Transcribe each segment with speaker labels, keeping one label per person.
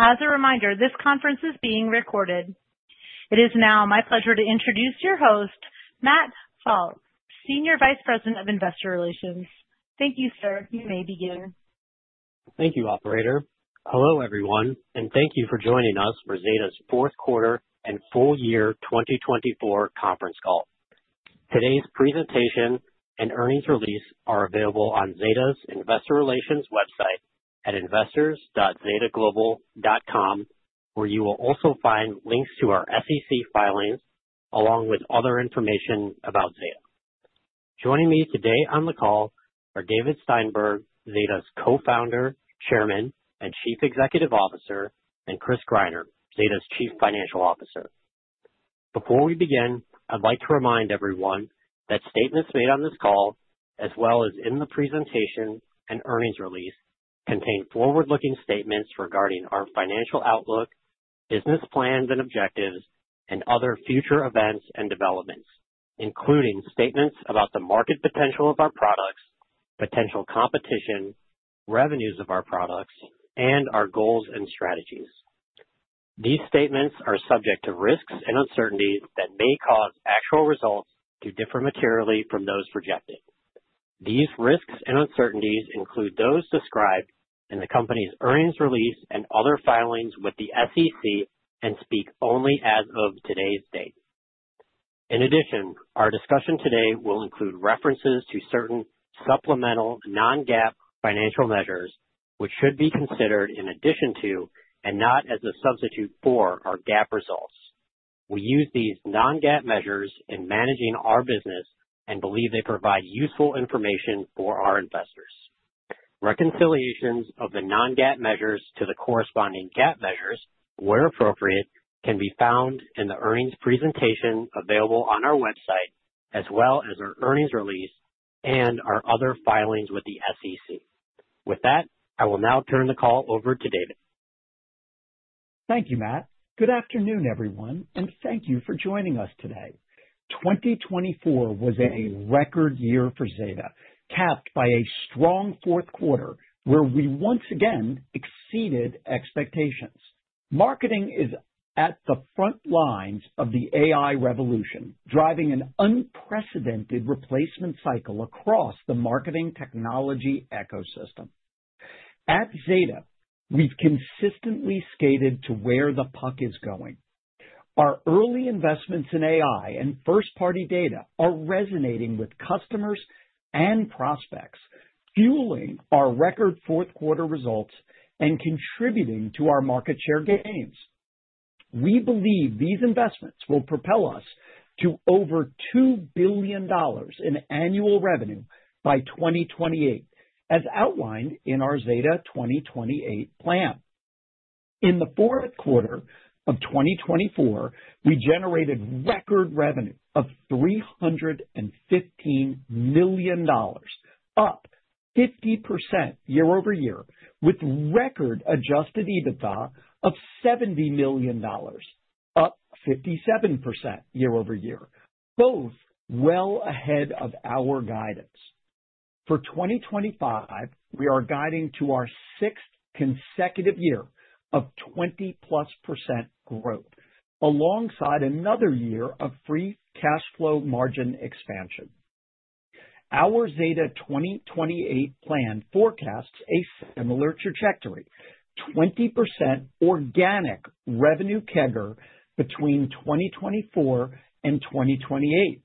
Speaker 1: As a reminder, this conference is being recorded. It is now my pleasure to introduce your host, Matt Pfau, Senior Vice President of Investor Relations. Thank you, sir. You may begin.
Speaker 2: Thank you, Operator. Hello, everyone, and thank you for joining us for Zeta's Fourth Quarter and Full Year 2024 Conference Call. Today's presentation and earnings release are available on Zeta's Investor Relations website at investors.zetaglobal.com, where you will also find links to our SEC filings along with other information about Zeta. Joining me today on the call are David Steinberg, Zeta's Co-founder, Chairman, and Chief Executive Officer, and Chris Greiner, Zeta's Chief Financial Officer. Before we begin, I'd like to remind everyone that statements made on this call, as well as in the presentation and earnings release, contain forward-looking statements regarding our financial outlook, business plans and objectives, and other future events and developments, including statements about the market potential of our products, potential competition, revenues of our products, and our goals and strategies. These statements are subject to risks and uncertainties that may cause actual results to differ materially from those projected. These risks and uncertainties include those described in the company's earnings release and other filings with the SEC and speak only as of today's date. In addition, our discussion today will include references to certain supplemental non-GAAP financial measures, which should be considered in addition to and not as a substitute for our GAAP results. We use these non-GAAP measures in managing our business and believe they provide useful information for our investors. Reconciliations of the non-GAAP measures to the corresponding GAAP measures, where appropriate, can be found in the earnings presentation available on our website, as well as our earnings release and our other filings with the SEC. With that, I will now turn the call over to David.
Speaker 3: Thank you, Matt. Good afternoon, everyone, and thank you for joining us today. 2024 was a record year for Zeta, capped by a strong fourth quarter, where we once again exceeded expectations. Marketing is at the front lines of the AI revolution, driving an unprecedented replacement cycle across the marketing technology ecosystem. At Zeta, we've consistently skated to where the puck is going. Our early investments in AI and first-party data are resonating with customers and prospects, fueling our record fourth quarter results and contributing to our market share gains. We believe these investments will propel us to over $2 billion in annual revenue by 2028, as outlined in our Zeta 2028 Plan. In the fourth quarter of 2024, we generated record revenue of $315 million, up 50% year over year, with record Adjusted EBITDA of $70 million, up 57% year over year, both well ahead of our guidance. For 2025, we are guiding to our sixth consecutive year of 20+ percent cohort, alongside another year of free cash flow margin expansion. Our Zeta 2028 plan forecasts a similar trajectory: 20% organic revenue CAGR between 2024 and 2028,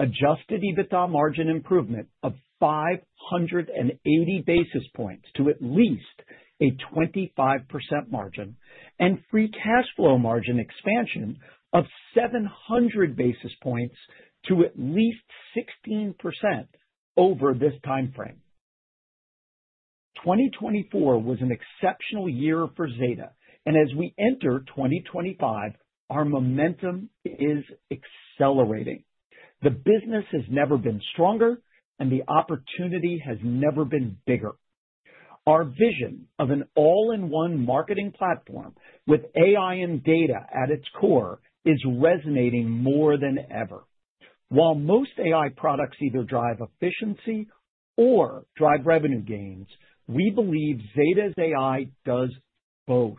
Speaker 3: Adjusted EBITDA margin improvement of 580 basis points to at least a 25% margin, and free cash flow margin expansion of 700 basis points to at least 16% over this timeframe. 2024 was an exceptional year for Zeta, and as we enter 2025, our momentum is accelerating. The business has never been stronger, and the opportunity has never been bigger. Our vision of an all-in-one marketing platform with AI and data at its core is resonating more than ever. While most AI products either drive efficiency or drive revenue gains, we believe Zeta's AI does both,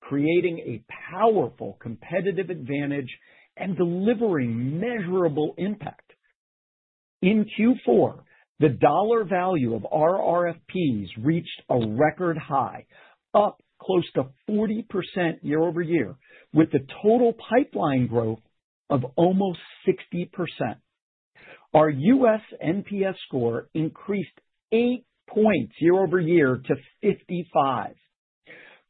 Speaker 3: creating a powerful competitive advantage and delivering measurable impact. In Q4, the dollar value of our RFPs reached a record high, up close to 40% year over year, with the total pipeline growth of almost 60%. Our U.S. NPS score increased eight points year over year to 55.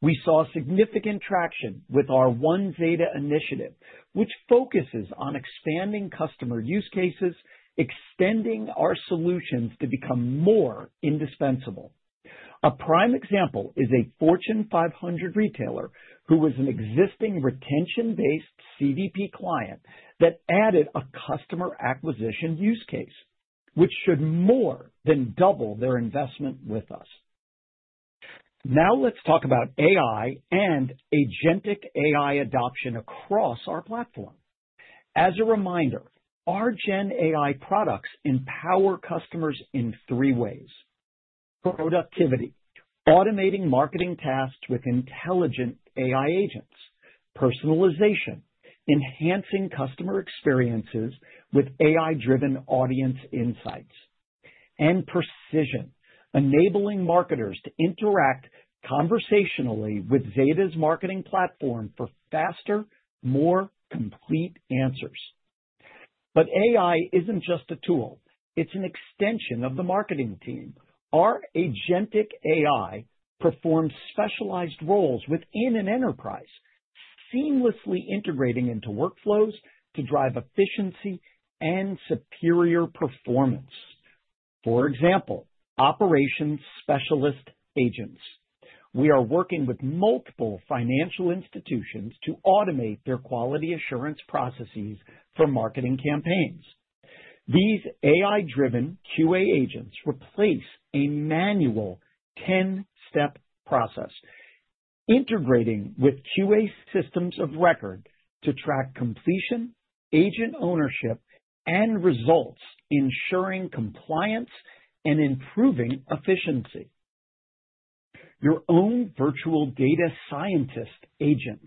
Speaker 3: We saw significant traction with our One Zeta initiative, which focuses on expanding customer use cases, extending our solutions to become more indispensable. A prime example is a Fortune 500 retailer who was an existing retention-based CDP client that added a customer acquisition use case, which should more than double their investment with us. Now let's talk about AI and agentic AI adoption across our platform. As a reminder, our Gen AI products empower customers in three ways: productivity, automating marketing tasks with intelligent AI agents, personalization, enhancing customer experiences with AI-driven audience insights, and precision, enabling marketers to interact conversationally with Zeta's marketing platform for faster, more complete answers. But AI isn't just a tool. It's an extension of the marketing team. Our agentic AI performs specialized roles within an enterprise, seamlessly integrating into workflows to drive efficiency and superior performance. For example, operations specialist agents. We are working with multiple financial institutions to automate their quality assurance processes for marketing campaigns. These AI-driven QA agents replace a manual 10-step process, integrating with QA systems of record to track completion, agent ownership, and results, ensuring compliance and improving efficiency. Your own virtual data scientist agents.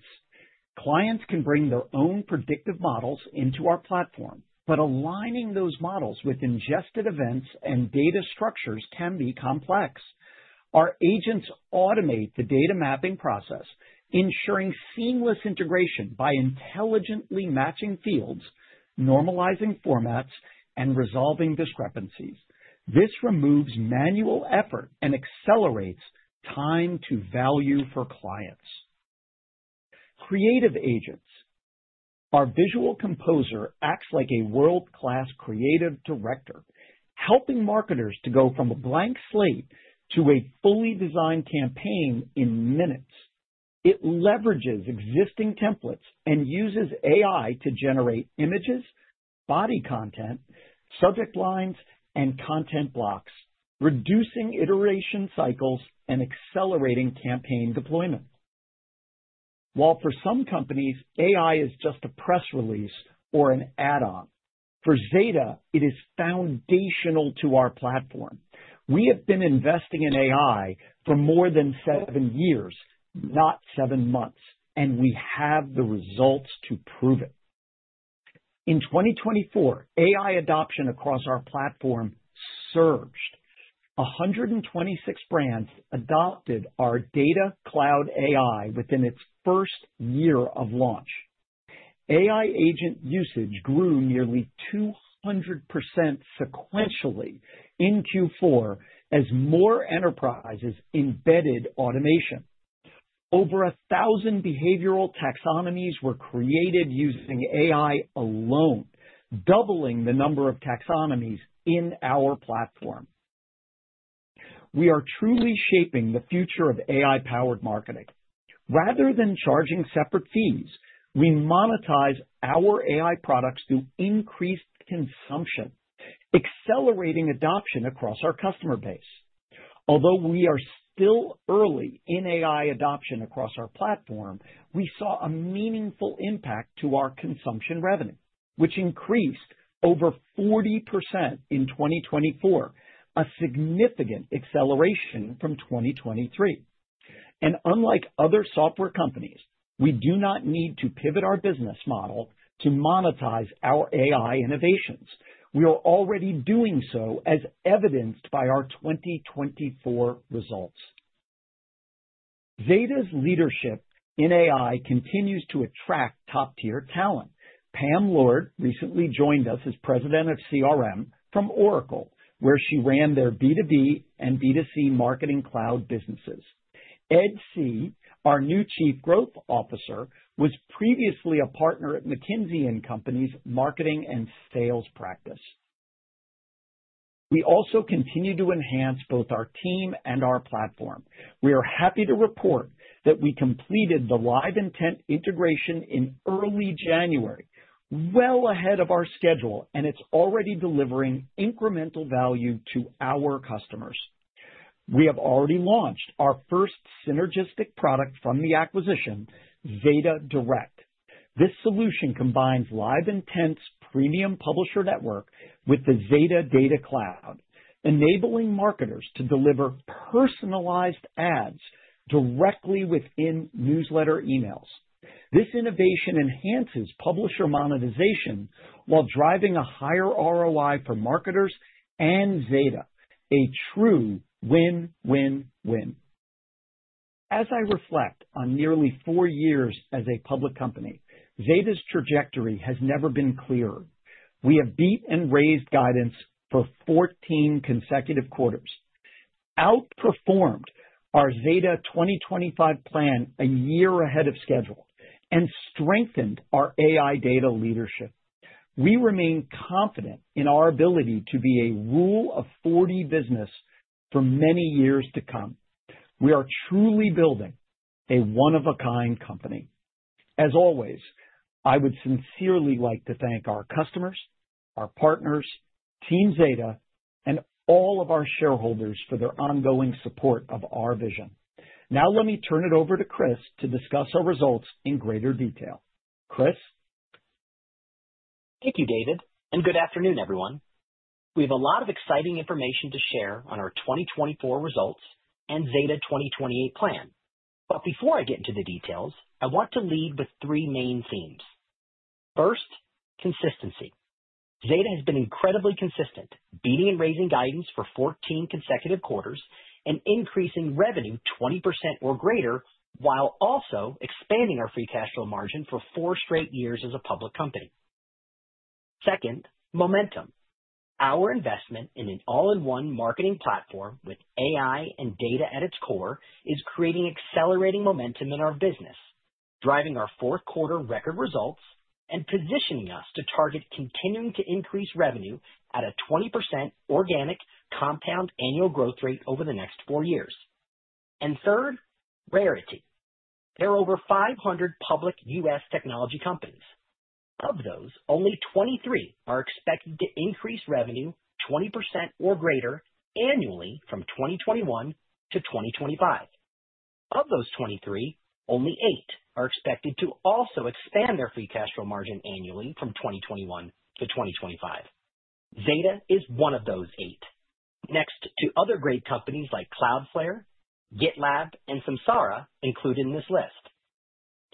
Speaker 3: Clients can bring their own predictive models into our platform, but aligning those models with ingested events and data structures can be complex. Our agents automate the data mapping process, ensuring seamless integration by intelligently matching fields, normalizing formats, and resolving discrepancies. This removes manual effort and accelerates time to value for clients. Creative agents. Our Visual Composer acts like a world-class creative director, helping marketers to go from a blank slate to a fully designed campaign in minutes. It leverages existing templates and uses AI to generate images, body content, subject lines, and content blocks, reducing iteration cycles and accelerating campaign deployment. While for some companies, AI is just a press release or an add-on, for Zeta, it is foundational to our platform. We have been investing in AI for more than seven years, not seven months, and we have the results to prove it. In 2024, AI adoption across our platform surged. 126 brands adopted our Data Cloud AI within its first year of launch. AI agent usage grew nearly 200% sequentially in Q4 as more enterprises embedded automation. Over 1,000 behavioral taxonomies were created using AI alone, doubling the number of taxonomies in our platform. We are truly shaping the future of AI-powered marketing. Rather than charging separate fees, we monetize our AI products through increased consumption, accelerating adoption across our customer base. Although we are still early in AI adoption across our platform, we saw a meaningful impact to our consumption revenue, which increased over 40% in 2024, a significant acceleration from 2023, and unlike other software companies, we do not need to pivot our business model to monetize our AI innovations. We are already doing so, as evidenced by our 2024 results. Zeta's leadership in AI continues to attract top-tier talent. Pam Lord recently joined us as President of CRM from Oracle, where she ran their B2B and B2C marketing cloud businesses. Ed See, our new Chief Growth Officer, was previously a partner at McKinsey & Company's marketing and sales practice. We also continue to enhance both our team and our platform. We are happy to report that we completed the LiveIntent integration in early January, well ahead of our schedule, and it's already delivering incremental value to our customers. We have already launched our first synergistic product from the acquisition, Zeta Direct. This solution combines LiveIntent's premium publisher network with the Zeta Data Cloud, enabling marketers to deliver personalized ads directly within newsletter emails. This innovation enhances publisher monetization while driving a higher ROI for marketers and Zeta, a true win-win-win. As I reflect on nearly four years as a public company, Zeta's trajectory has never been clearer. We have beat and raised guidance for 14 consecutive quarters, outperformed our Zeta 2025 plan a year ahead of schedule, and strengthened our AI data leadership. We remain confident in our ability to be a Rule of 40 business for many years to come. We are truly building a one-of-a-kind company. As always, I would sincerely like to thank our customers, our partners, Team Zeta, and all of our shareholders for their ongoing support of our vision. Now let me turn it over to Chris to discuss our results in greater detail. Chris.
Speaker 4: Thank you, David, and good afternoon, everyone. We have a lot of exciting information to share on our 2024 results and Zeta 2028 plan. But before I get into the details, I want to lead with three main themes. First, consistency. Zeta has been incredibly consistent, beating and raising guidance for 14 consecutive quarters and increasing revenue 20% or greater, while also expanding our free cash flow margin for four straight years as a public company. Second, momentum. Our investment in an all-in-one marketing platform with AI and data at its core is creating accelerating momentum in our business, driving our fourth quarter record results, and positioning us to target continuing to increase revenue at a 20% organic compound annual growth rate over the next four years. And third, rarity. There are over 500 public US technology companies. Of those, only 23 are expected to increase revenue 20% or greater annually from 2021 to 2025. Of those 23, only eight are expected to also expand their free cash flow margin annually from 2021 to 2025. Zeta is one of those eight, next to other great companies like Cloudflare, GitLab, and Samsara included in this list,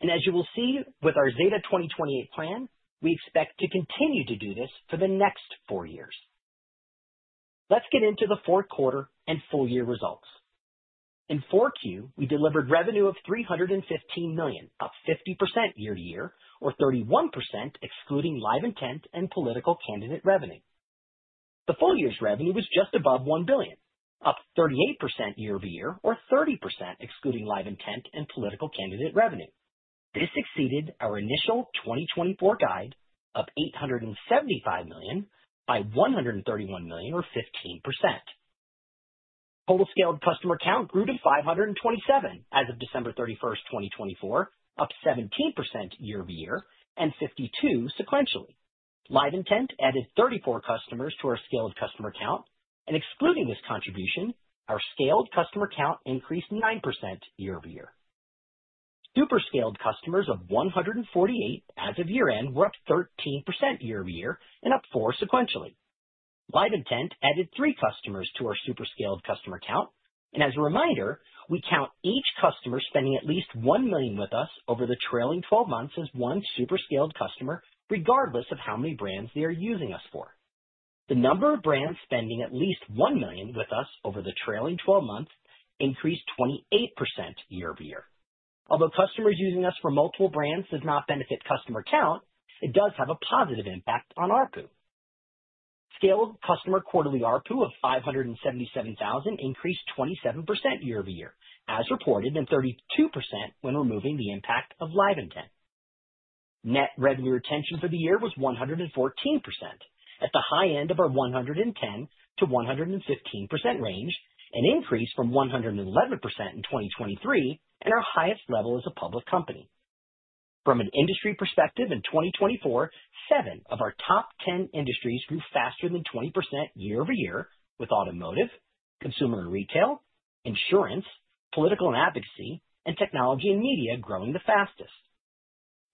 Speaker 4: and as you will see with our Zeta 2028 plan, we expect to continue to do this for the next four years. Let's get into the fourth quarter and full year results. In Q4, we delivered revenue of $315 million, up 50% year-to-year, or 31% excluding LiveIntent and political candidate revenue. The full year's revenue was just above $1 billion, up 38% year-to-year, or 30% excluding LiveIntent and political candidate revenue. This exceeded our initial 2024 guide, up $875 million by $131 million, or 15%. Total scaled customer count grew to 527 as of December 31, 2024, up 17% year-to-year and 52% sequentially. LiveIntent added 34 customers to our scaled customer count. And excluding this contribution, our scaled customer count increased 9% year-to-year. Super scaled customers of 148 as of year-end were up 13% year-to-year and up 4% sequentially. LiveIntent added 3 customers to our super scaled customer count. And as a reminder, we count each customer spending at least $1 million with us over the trailing 12 months as one super scaled customer, regardless of how many brands they are using us for. The number of brands spending at least $1 million with us over the trailing 12 months increased 28% year-to-year. Although customers using us for multiple brands does not benefit customer count, it does have a positive impact on our pool. Scaled customer quarterly RPU of $577,000 increased 27% year-to-year, as reported, and 32% when removing the impact of LiveIntent. Net revenue retention for the year was 114%, at the high end of our 110% to 115% range, an increase from 111% in 2023 and our highest level as a public company. From an industry perspective in 2024, seven of our top 10 industries grew faster than 20% year-to-year with automotive, consumer and retail, insurance, political and advocacy, and technology and media growing the fastest.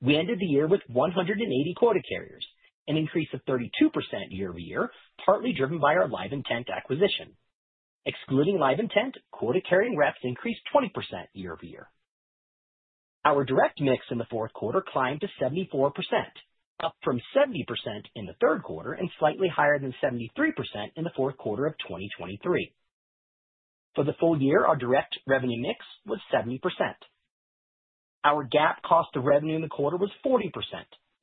Speaker 4: We ended the year with 180 quota carriers, an increase of 32% year-to-year, partly driven by our LiveIntent acquisition. Excluding LiveIntent, quota carrying reps increased 20% year-to-year. Our direct mix in the fourth quarter climbed to 74%, up from 70% in the third quarter and slightly higher than 73% in the fourth quarter of 2023. For the full year, our direct revenue mix was 70%. Our GAAP cost of revenue in the quarter was 40%,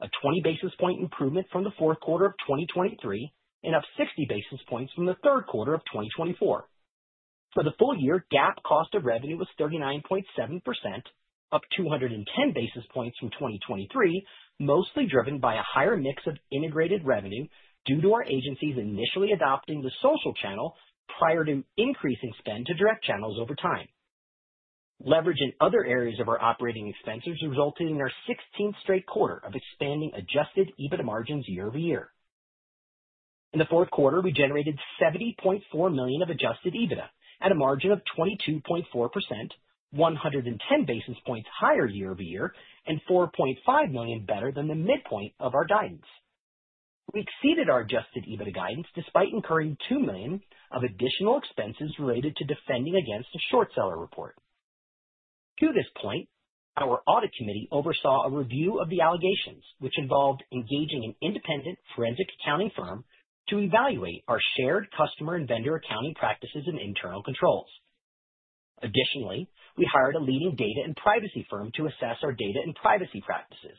Speaker 4: a 20 basis point improvement from the fourth quarter of 2023 and up 60 basis points from the third quarter of 2024. For the full year, GAAP cost of revenue was 39.7%, up 210 basis points from 2023, mostly driven by a higher mix of integrated revenue due to our agencies initially adopting the social channel prior to increasing spend to direct channels over time. Leverage in other areas of our operating expenses resulted in our 16th straight quarter of expanding Adjusted EBITDA margins year-to-year. In the fourth quarter, we generated $70.4 million of Adjusted EBITDA at a margin of 22.4%, 110 basis points higher year-to-year and $4.5 million better than the midpoint of our guidance. We exceeded our adjusted EBITDA guidance despite incurring $2 million of additional expenses related to defending against a short seller report. To this point, our audit committee oversaw a review of the allegations, which involved engaging an independent forensic accounting firm to evaluate our shared customer and vendor accounting practices and internal controls. Additionally, we hired a leading data and privacy firm to assess our data and privacy practices.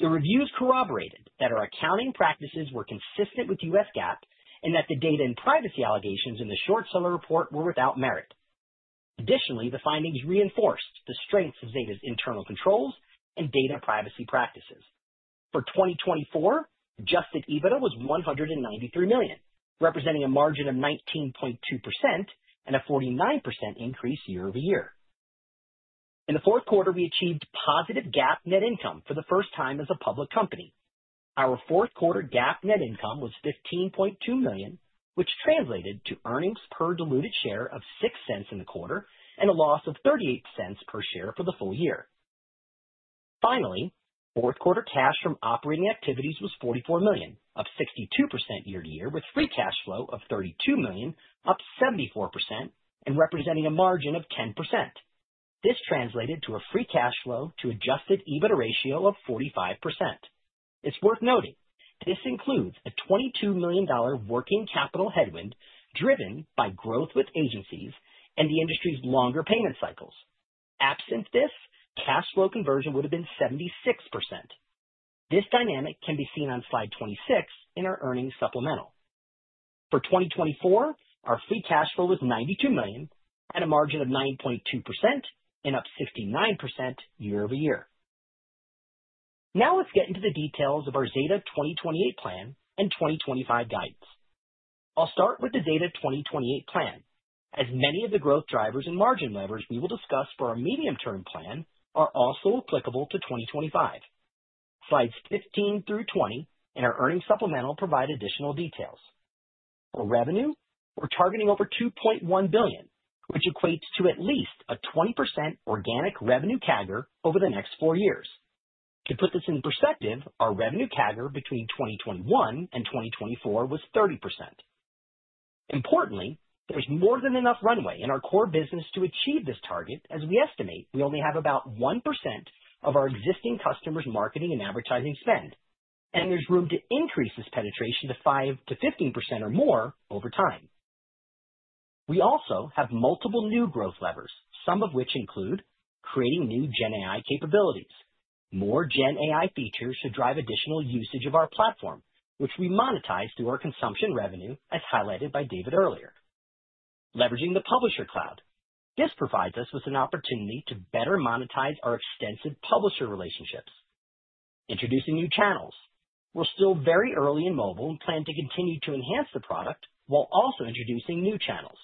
Speaker 4: The reviews corroborated that our accounting practices were consistent with US GAAP and that the data and privacy allegations in the short seller report were without merit. Additionally, the findings reinforced the strengths of Zeta's internal controls and data privacy practices. For 2024, Adjusted EBITDA was $193 million, representing a margin of 19.2% and a 49% increase year-to-year. In the fourth quarter, we achieved positive GAAP net income for the first time as a public company. Our fourth quarter GAAP net income was $15.2 million, which translated to earnings per diluted share of $0.06 in the quarter and a loss of $0.38 per share for the full year. Finally, fourth quarter cash from operating activities was $44 million, up 62% year-to-year, with free cash flow of $32 million, up 74% and representing a margin of 10%. This translated to a free cash flow to Adjusted EBITDA ratio of 45%. It's worth noting this includes a $22 million working capital headwind driven by growth with agencies and the industry's longer payment cycles. Absent this, cash flow conversion would have been 76%. This dynamic can be seen on slide 26 in our earnings supplemental. For 2024, our free cash flow was $92 million and a margin of 9.2% and up 69% year-to- year. Now let's get into the details of our Zeta 2028 plan and 2025 guidance. I'll start with the Zeta 2028 plan. As many of the growth drivers and margin levers we will discuss for our medium-term plan are also applicable to 2025. Slides 15 through 20 in our earnings supplemental provide additional details. For revenue, we're targeting over $2.1 billion, which equates to at least a 20% organic revenue CAGR over the next four years. To put this in perspective, our revenue CAGR between 2021 and 2024 was 30%. Importantly, there's more than enough runway in our core business to achieve this target, as we estimate we only have about 1% of our existing customers' marketing and advertising spend, and there's room to increase this penetration to 5% to 15% or more over time. We also have multiple new growth levers, some of which include creating new Gen AI capabilities. More Gen AI features should drive additional usage of our platform, which we monetize through our consumption revenue, as highlighted by David earlier. Leveraging the Publisher Cloud, this provides us with an opportunity to better monetize our extensive publisher relationships. Introducing new channels. We're still very early in mobile and plan to continue to enhance the product while also introducing new channels.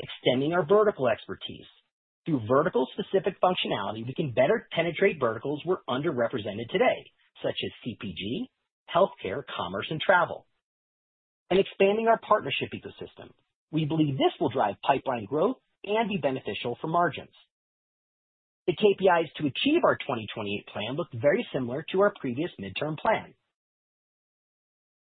Speaker 4: Extending our vertical expertise. Through vertical-specific functionality, we can better penetrate verticals we're underrepresented today, such as CPG, healthcare, commerce, and travel. And expanding our partnership ecosystem. We believe this will drive pipeline growth and be beneficial for margins. The KPIs to achieve our 2028 plan look very similar to our previous midterm plan.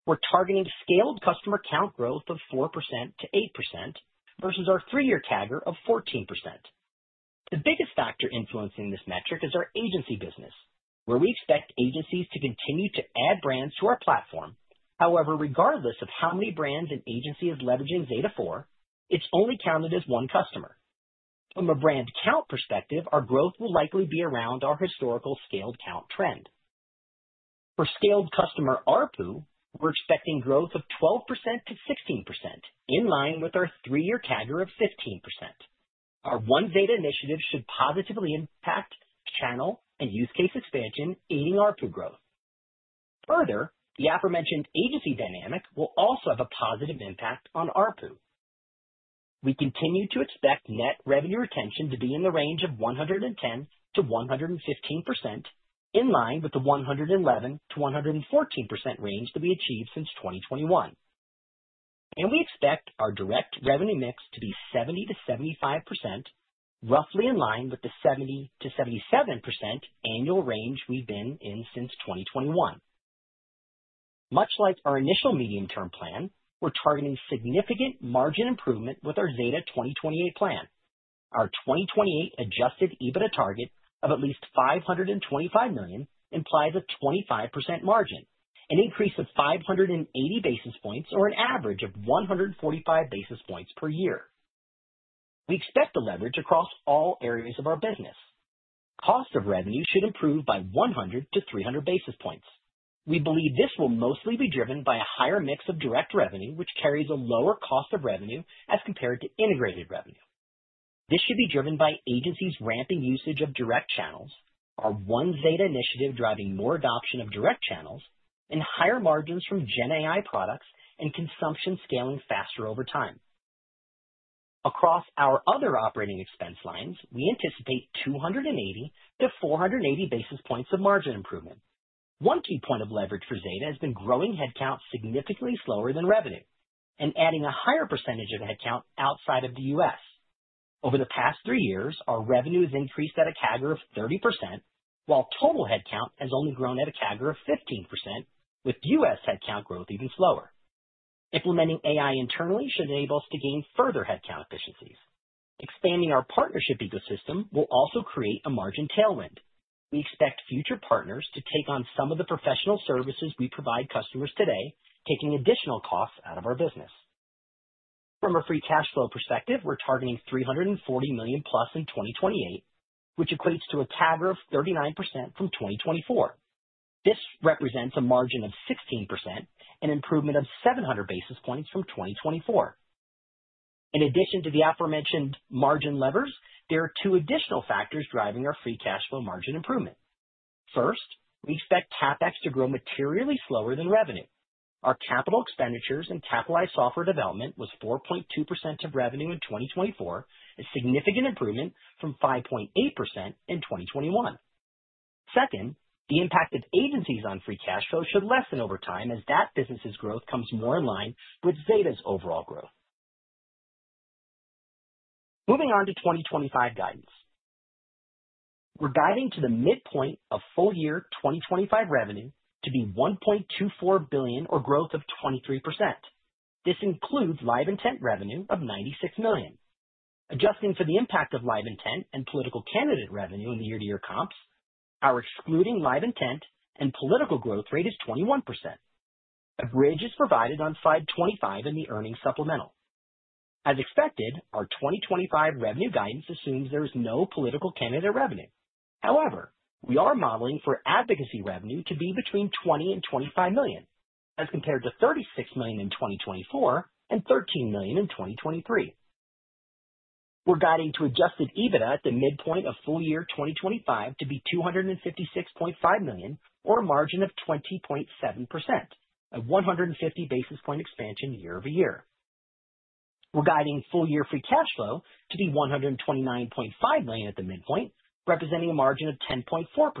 Speaker 4: We're targeting scaled customer count growth of 4% to 8% versus our three-year CAGR of 14%. The biggest factor influencing this metric is our agency business, where we expect agencies to continue to add brands to our platform. However, regardless of how many brands an agency is leveraging Zeta for, it's only counted as one customer. From a brand count perspective, our growth will likely be around our historical scaled count trend. For scaled customer RPU, we're expecting growth of 12% to 16%, in line with our three-year CAGR of 15%. Our One Zeta initiative should positively impact channel and use case expansion, aiding RPU growth. Further, the aforementioned agency dynamic will also have a positive impact on RPU. We continue to expect net revenue retention to be in the range of 110% to 115%, in line with the 111% to 114% range that we achieved since 2021. And we expect our direct revenue mix to be 70% to 75%, roughly in line with the 70% to 77% annual range we've been in since 2021. Much like our initial medium-term plan, we're targeting significant margin improvement with our Zeta 2028 plan. Our 2028 Adjusted EBITDA target of at least $525 million implies a 25% margin, an increase of 580 basis points or an average of 145 basis points per year. We expect the leverage across all areas of our business. Cost of revenue should improve by 100 to 300 basis points. We believe this will mostly be driven by a higher mix of direct revenue, which carries a lower cost of revenue as compared to integrated revenue. This should be driven by agencies ramping usage of direct channels, our One Zeta initiative driving more adoption of direct channels, and higher margins from Gen AI products and consumption scaling faster over time. Across our other operating expense lines, we anticipate 280 to 480 basis points of margin improvement. One key point of leverage for Zeta has been growing headcount significantly slower than revenue and adding a higher percentage of headcount outside of the U.S. Over the past three years, our revenue has increased at a CAGR of 30%, while total headcount has only grown at a CAGR of 15%, with U.S. headcount growth even slower. Implementing AI internally should enable us to gain further headcount efficiencies. Expanding our partnership ecosystem will also create a margin tailwind. We expect future partners to take on some of the professional services we provide customers today, taking additional costs out of our business. From a free cash flow perspective, we're targeting $340 million plus in 2028, which equates to a CAGR of 39% from 2024. This represents a margin of 16% and improvement of 700 basis points from 2024. In addition to the aforementioned margin levers, there are two additional factors driving our free cash flow margin improvement. First, we expect CapEx to grow materially slower than revenue. Our capital expenditures in capitalized software development was 4.2% of revenue in 2024, a significant improvement from 5.8% in 2021. Second, the impact of agencies on free cash flow should lessen over time as that business's growth comes more in line with Zeta's overall growth. Moving on to 2025 guidance. We're guiding to the midpoint of full year 2025 revenue to be $1.24 billion or growth of 23%. This includes LiveIntent revenue of $96 million. Adjusting for the impact of LiveIntent and political candidate revenue in the year-to-year comps, our excluding LiveIntent and political growth rate is 21%. A bridge is provided on slide 25 in the earnings supplemental. As expected, our 2025 revenue guidance assumes there is no political candidate revenue. However, we are modeling for advocacy revenue to be between $20 million and $25 million as compared to $36 million in 2024 and $13 million in 2023. We're guiding to Adjusted EBITDA at the midpoint of full year 2025 to be $256.5 million or a margin of 20.7%, a 150 basis point expansion year-to-year. We're guiding full year free cash flow to be $129.5 million at the midpoint, representing a margin of 10.4%,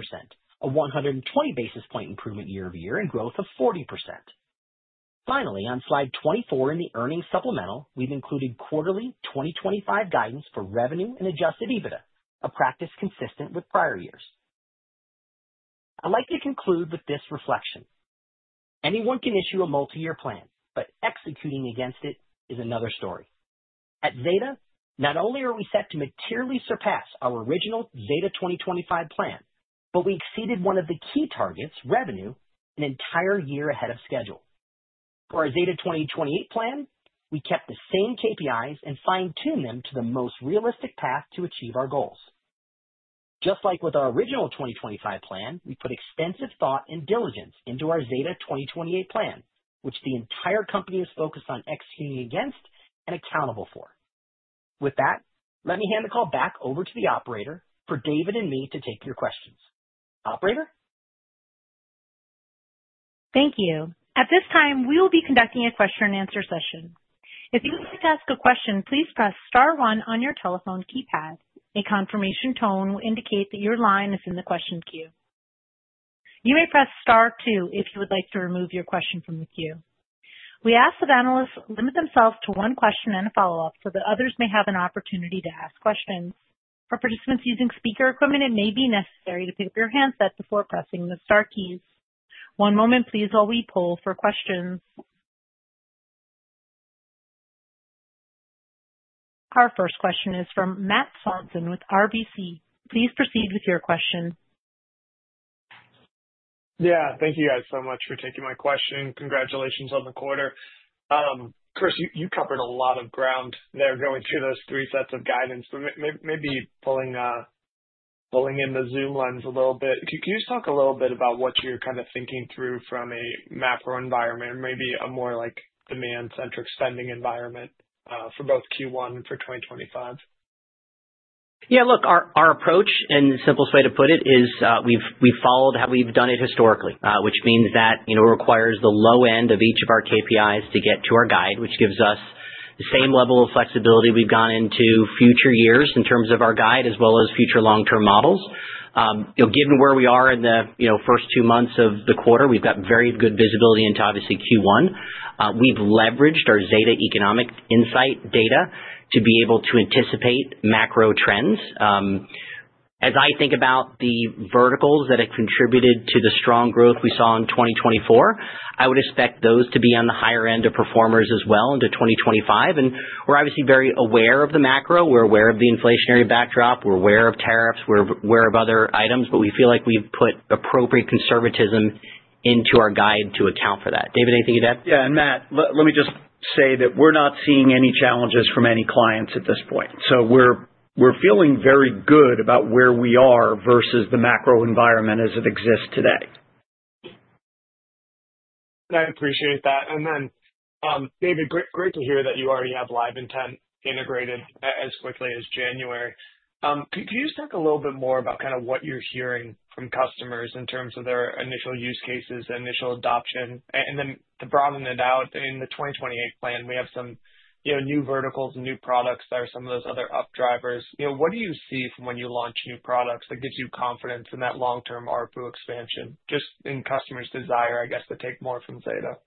Speaker 4: a 120 basis points improvement year-to-year and growth of 40%. Finally, on slide 24 in the earnings supplemental, we've included quarterly 2025 guidance for revenue and Adjusted EBITDA, a practice consistent with prior years. I'd like to conclude with this reflection. Anyone can issue a multi-year plan, but executing against it is another story. At Zeta, not only are we set to materially surpass our original Zeta 2025 plan, but we exceeded one of the key targets, revenue, an entire year ahead of schedule. For our Zeta 2028 plan, we kept the same KPIs and fine-tuned them to the most realistic path to achieve our goals. Just like with our original 2025 plan, we put extensive thought and diligence into our Zeta 2028 plan, which the entire company is focused on executing against and accountable for. With that, let me hand the call back over to the operator for David and me to take your questions. Operator?
Speaker 1: Thank you. At this time, we will be conducting a question-and-answer session. If you would like to ask a question, please press star one on your telephone keypad. A confirmation tone will indicate that your line is in the question queue. You may press star two if you would like to remove your question from the queue. We ask that analysts limit themselves to one question and a follow-up so that others may have an opportunity to ask questions. For participants using speaker equipment, it may be necessary to pick up your handset before pressing the star keys. One moment, please, while we poll for questions. Our first question is from Matt Swanson with RBC. Please proceed with your question.
Speaker 5: Yeah, thank you guys so much for taking my question. Congratulations on the quarter. Chris, you covered a lot of ground there going through those three sets of guidance. But maybe pulling in the Zoom lens a little bit, could you just talk a little bit about what you're kind of thinking through from a macro environment, maybe a more like demand-centric spending environment, for both Q1 and for 2025?
Speaker 4: Yeah, look, our approach, and the simplest way to put it is, we've followed how we've done it historically, which means that, you know, it requires the low end of each of our KPIs to get to our guide, which gives us the same level of flexibility we've gone into future years in terms of our guide as well as future long-term models. You know, given where we are in the, you know, first two months of the quarter, we've got very good visibility into, obviously, Q1. We've leveraged our Zeta economic insight data to be able to anticipate macro trends. As I think about the verticals that have contributed to the strong growth we saw in 2024, I would expect those to be on the higher end of performers as well into 2025. We're obviously very aware of the macro. We're aware of the inflationary backdrop. We're aware of tariffs. We're aware of other items, but we feel like we've put appropriate conservatism into our guide to account for that. David, anything you'd add? Yeah, and Matt, let me just say that we're not seeing any challenges from any clients at this point. So we're feeling very good about where we are versus the macro environment as it exists today.
Speaker 5: And I appreciate that. And then, David, great to hear that you already have LiveIntent integrated as quickly as January. Could you just talk a little bit more about kind of what you're hearing from customers in terms of their initial use cases, initial adoption? And then to broaden it out, in the 2028 plan, we have some, you know, new verticals and new products that are some of those other upside drivers. You know, what do you see from when you launch new products that gives you confidence in that long-term RPU expansion, just in customers' desire, I guess, to take more from Zeta?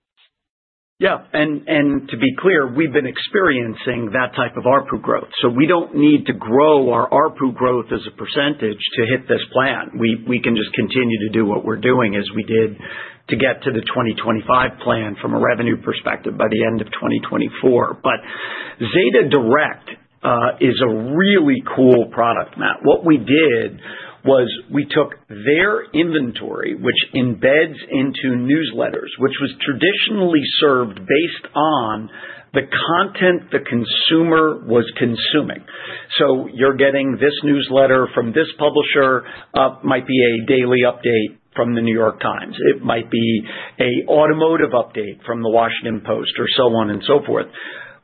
Speaker 3: Yeah, and to be clear, we've been experiencing that type of RPU growth. So we don't need to grow our RPU growth as a percentage to hit this plan. We can just continue to do what we're doing as we did to get to the 2025 plan from a revenue perspective by the end of 2024. But Zeta Direct is a really cool product, Matt. What we did was we took their inventory, which embeds into newsletters, which was traditionally served based on the content the consumer was consuming. So you're getting this newsletter from this publisher. Might be a daily update from the New York Times. It might be an automotive update from the Washington Post or so on and so forth.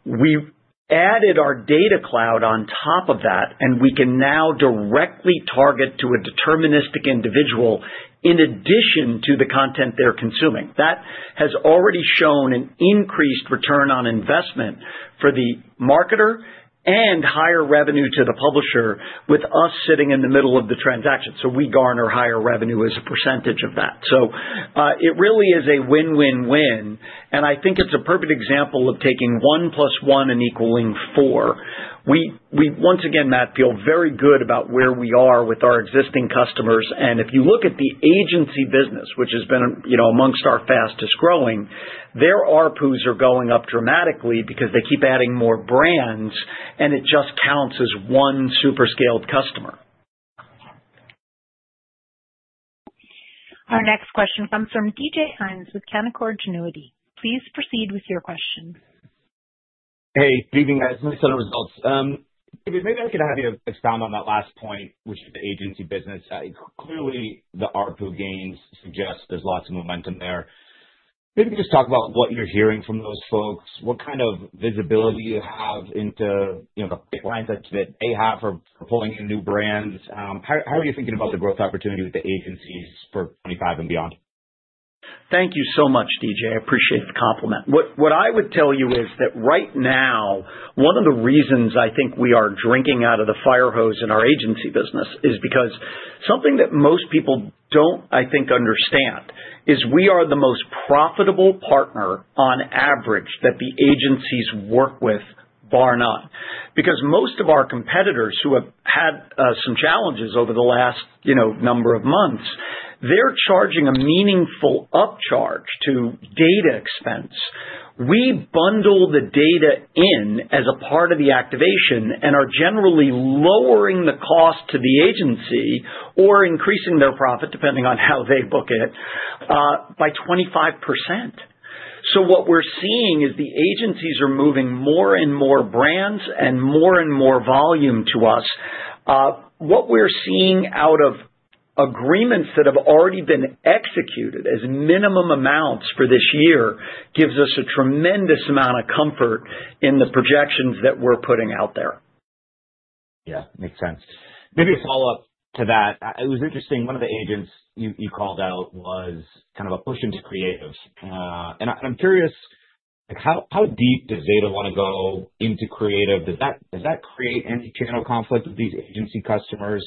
Speaker 3: We added our data cloud on top of that, and we can now directly target to a deterministic individual in addition to the content they're consuming. That has already shown an increased return on investment for the marketer and higher revenue to the publisher with us sitting in the middle of the transaction. So we garner higher revenue as a percentage of that. So, it really is a win-win-win. And I think it's a perfect example of taking one plus one and equaling four. We once again, Matt, feel very good about where we are with our existing customers. And if you look at the agency business, which has been, you know, amongst our fastest growing, their RPUs are going up dramatically because they keep adding more brands, and it just counts as one super scaled customer.
Speaker 1: Our next question comes from D.J. Hynes with Canaccord Genuity. Please proceed with your question.
Speaker 6: Hey, good evening, guys. Let me send the results. David, maybe I could have you expound on that last point, which is the agency business. Clearly, the RPU gains suggest there's lots of momentum there. Maybe just talk about what you're hearing from those folks, what kind of visibility you have into, you know, the pipelines that they have for pulling in new brands. How are you thinking about the growth opportunity with the agencies for 25 and beyond?
Speaker 3: Thank you so much, D.J. I appreciate the compliment. What I would tell you is that right now, one of the reasons I think we are drinking out of the fire hose in our agency business is because something that most people don't, I think, understand is we are the most profitable partner on average that the agencies work with, bar none. Because most of our competitors who have had some challenges over the last, you know, number of months, they're charging a meaningful upcharge to data expense. We bundle the data in as a part of the activation and are generally lowering the cost to the agency or increasing their profit, depending on how they book it, by 25%. So what we're seeing is the agencies are moving more and more brands and more and more volume to us. What we're seeing out of agreements that have already been executed as minimum amounts for this year gives us a tremendous amount of comfort in the projections that we're putting out there.
Speaker 6: Yeah, makes sense. Maybe a follow-up to that. It was interesting. One of the agents you called out was kind of a push into creative. And I'm curious, like, how deep does Zeta want to go into creative? Does that create any channel conflict with these agency customers?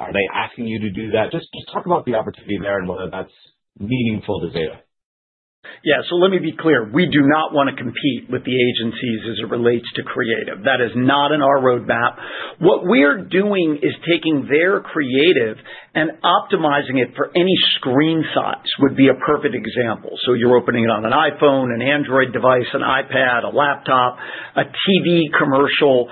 Speaker 6: Are they asking you to do that? Just talk about the opportunity there and whether that's meaningful to Zeta.
Speaker 3: Yeah, so let me be clear. We do not want to compete with the agencies as it relates to creative. That is not in our roadmap. What we're doing is taking their creative and optimizing it for any screen size would be a perfect example. So you're opening it on an iPhone, an Android device, an iPad, a laptop, a TV commercial.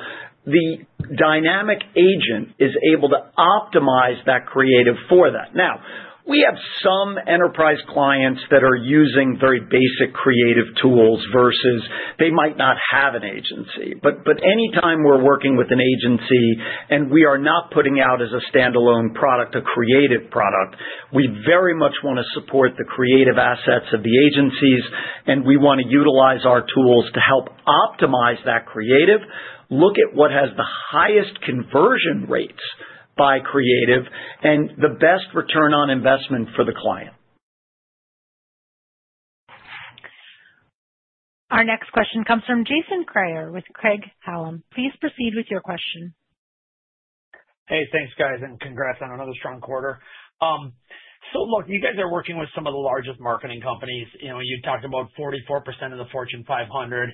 Speaker 3: The dynamic agent is able to optimize that creative for that. Now, we have some enterprise clients that are using very basic creative tools versus they might not have an agency. But anytime we're working with an agency and we are not putting out as a standalone product a creative product, we very much want to support the creative assets of the agencies, and we want to utilize our tools to help optimize that creative, look at what has the highest conversion rates by creative, and the best return on investment for the client.
Speaker 1: Our next question comes from Jason Kreyer with Craig-Hallum. Please proceed with your question.
Speaker 7: Hey, thanks, guys, and congrats on another strong quarter. So look, you guys are working with some of the largest marketing companies. You know, you talked about 44% of the Fortune 500.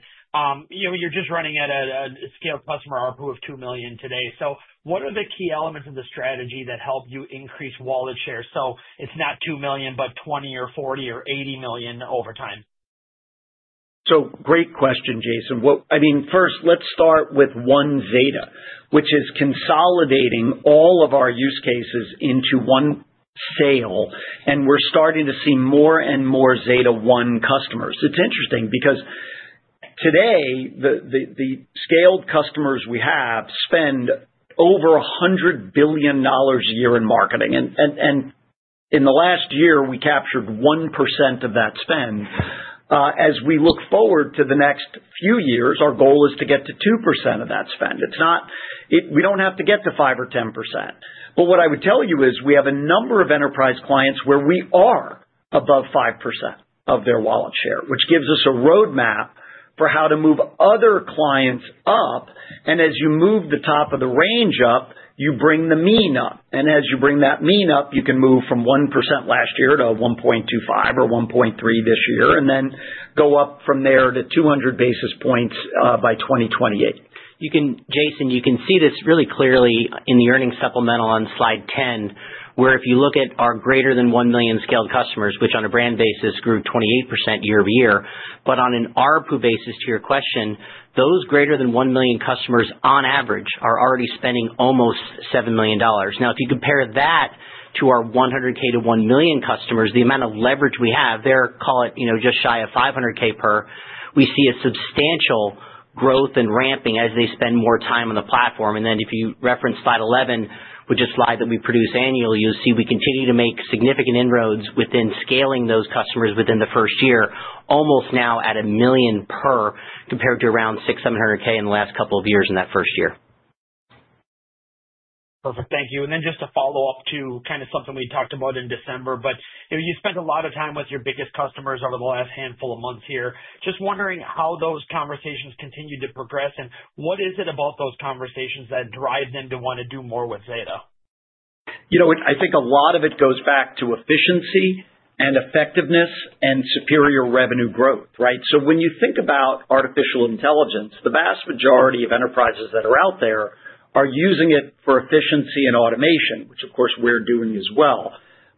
Speaker 7: You know, you're just running at a scaled customer RPU of $2 million today. So what are the key elements of the strategy that help you increase wallet share? So it's not $2 million, but $20 million or $40 million or $80 million over time?
Speaker 3: So great question, Jason. Well, I mean, first, let's start with One Zeta, which is consolidating all of our use cases into one sale, and we're starting to see more and more One Zeta customers. It's interesting because today, the scaled customers we have spend over $100 billion a year in marketing. And in the last year, we captured 1% of that spend. As we look forward to the next few years, our goal is to get to 2% of that spend. It's not we don't have to get to 5% or 10%. But what I would tell you is we have a number of enterprise clients where we are above 5% of their wallet share, which gives us a roadmap for how to move other clients up. And as you move the top of the range up, you bring the mean up. And as you bring that mean up, you can move from 1% last year to 1.25 or 1.3 this year and then go up from there to 200 basis points by 2028.
Speaker 4: You can, Jason, you can see this really clearly in the earnings supplemental on slide 10, where if you look at our greater than 1 million scaled customers, which on a brand basis grew 28% year-over-year, but on an RPU basis, to your question, those greater than 1 million customers on average are already spending almost $7 million. Now, if you compare that to our 100K to 1 million customers, the amount of leverage we have, they're, call it, you know, just shy of 500K per, we see a substantial growth and ramping as they spend more time on the platform. And then if you reference slide 11, which is slide that we produce annually, you'll see we continue to make significant inroads within scaling those customers within the first year, almost now at a million per compared to around 600K, 700K in the last couple of years in that first year.
Speaker 7: Perfect. Thank you. And then just to follow up to kind of something we talked about in December, but you spent a lot of time with your biggest customers over the last handful of months here. Just wondering how those conversations continue to progress and what is it about those conversations that drive them to want to do more with Zeta?
Speaker 3: You know, I think a lot of it goes back to efficiency and effectiveness and superior revenue growth, right? So when you think about artificial intelligence, the vast majority of enterprises that are out there are using it for efficiency and automation, which, of course, we're doing as well.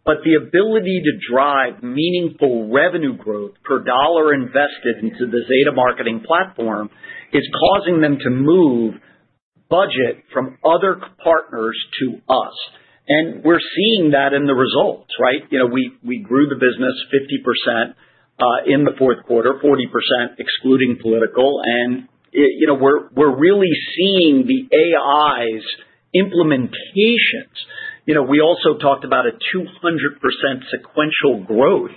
Speaker 3: But the ability to drive meaningful revenue growth per dollar invested into the Zeta Marketing Platform is causing them to move budget from other partners to us. And we're seeing that in the results, right? You know, we grew the business 50% in the fourth quarter, 40% excluding political. And, you know, we're really seeing the AI's implementations. You know, we also talked about a 200% sequential growth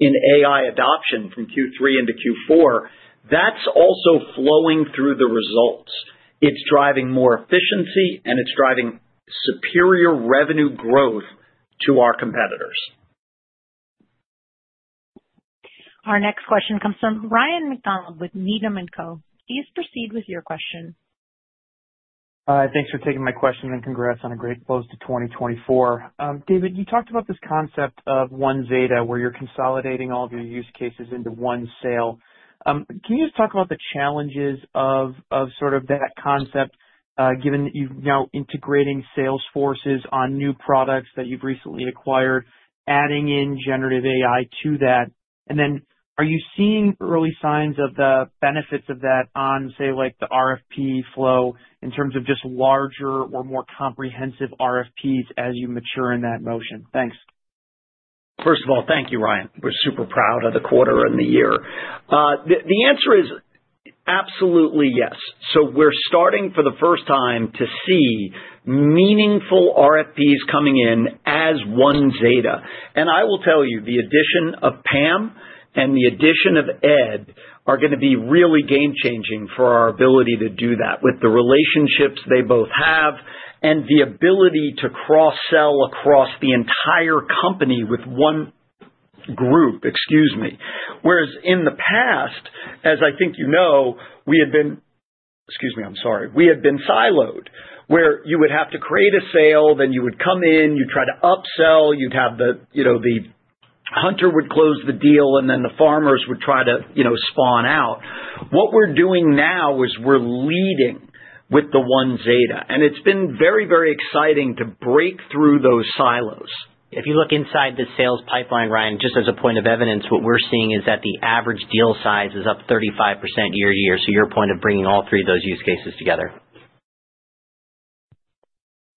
Speaker 3: in AI adoption from Q3 into Q4. That's also flowing through the results. It's driving more efficiency, and it's driving superior revenue growth to our competitors.
Speaker 1: Our next question comes from Ryan MacDonald with Needham & Co. Please proceed with your question.
Speaker 8: Hi, thanks for taking my question and congrats on a great close to 2024. David, you talked about this concept of One Zeta where you're consolidating all of your use cases into one sale. Can you just talk about the challenges of sort of that concept, given that you've now integrating sales forces on new products that you've recently acquired, adding in Generative AI to that? And then are you seeing early signs of the benefits of that on, say, like the RFP flow in terms of just larger or more comprehensive RFPs as you mature in that motion? Thanks.
Speaker 3: First of all, thank you, Ryan. We're super proud of the quarter and the year. The answer is absolutely yes. So we're starting for the first time to see meaningful RFPs coming in as One Zeta. And I will tell you, the addition of Pam and the addition of Ed are going to be really game-changing for our ability to do that with the relationships they both have and the ability to cross-sell across the entire company with one group, excuse me. Whereas in the past, as I think you know, we had been, excuse me, I'm sorry, we had been siloed, where you would have to create a sale, then you would come in, you'd try to upsell, you'd have the, you know, the hunter would close the deal, and then the farmers would try to, you know, spawn out. What we're doing now is we're leading with the One Zeta. And it's been very, very exciting to break through those silos.
Speaker 4: If you look inside the sales pipeline, Ryan, just as a point of evidence, what we're seeing is that the average deal size is up 35% year-to-year. So your point of bringing all three of those use cases together.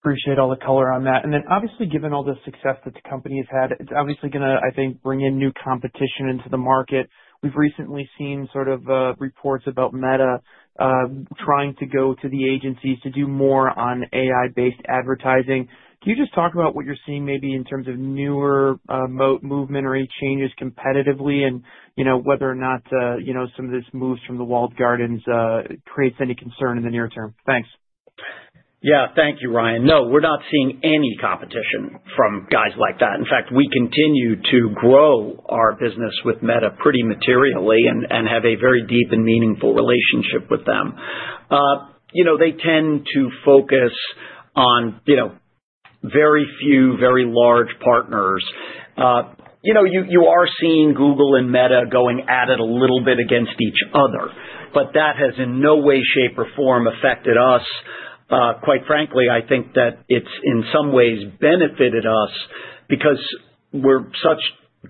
Speaker 8: Appreciate all the color on that. And then, obviously, given all the success that the company has had, it's obviously going to, I think, bring in new competition into the market. We've recently seen sort of reports about Meta trying to go to the agencies to do more on AI-based advertising. Can you just talk about what you're seeing maybe in terms of newer moat movement or any changes competitively and, you know, whether or not, you know, some of this moves from the Walled Gardens creates any concern in the near term? Thanks.
Speaker 3: Yeah, thank you, Ryan. No, we're not seeing any competition from guys like that. In fact, we continue to grow our business with Meta pretty materially and have a very deep and meaningful relationship with them. You know, they tend to focus on, you know, very few, very large partners. You know, you are seeing Google and Meta going at it a little bit against each other, but that has in no way, shape, or form affected us. Quite frankly, I think that it's in some ways benefited us because we're such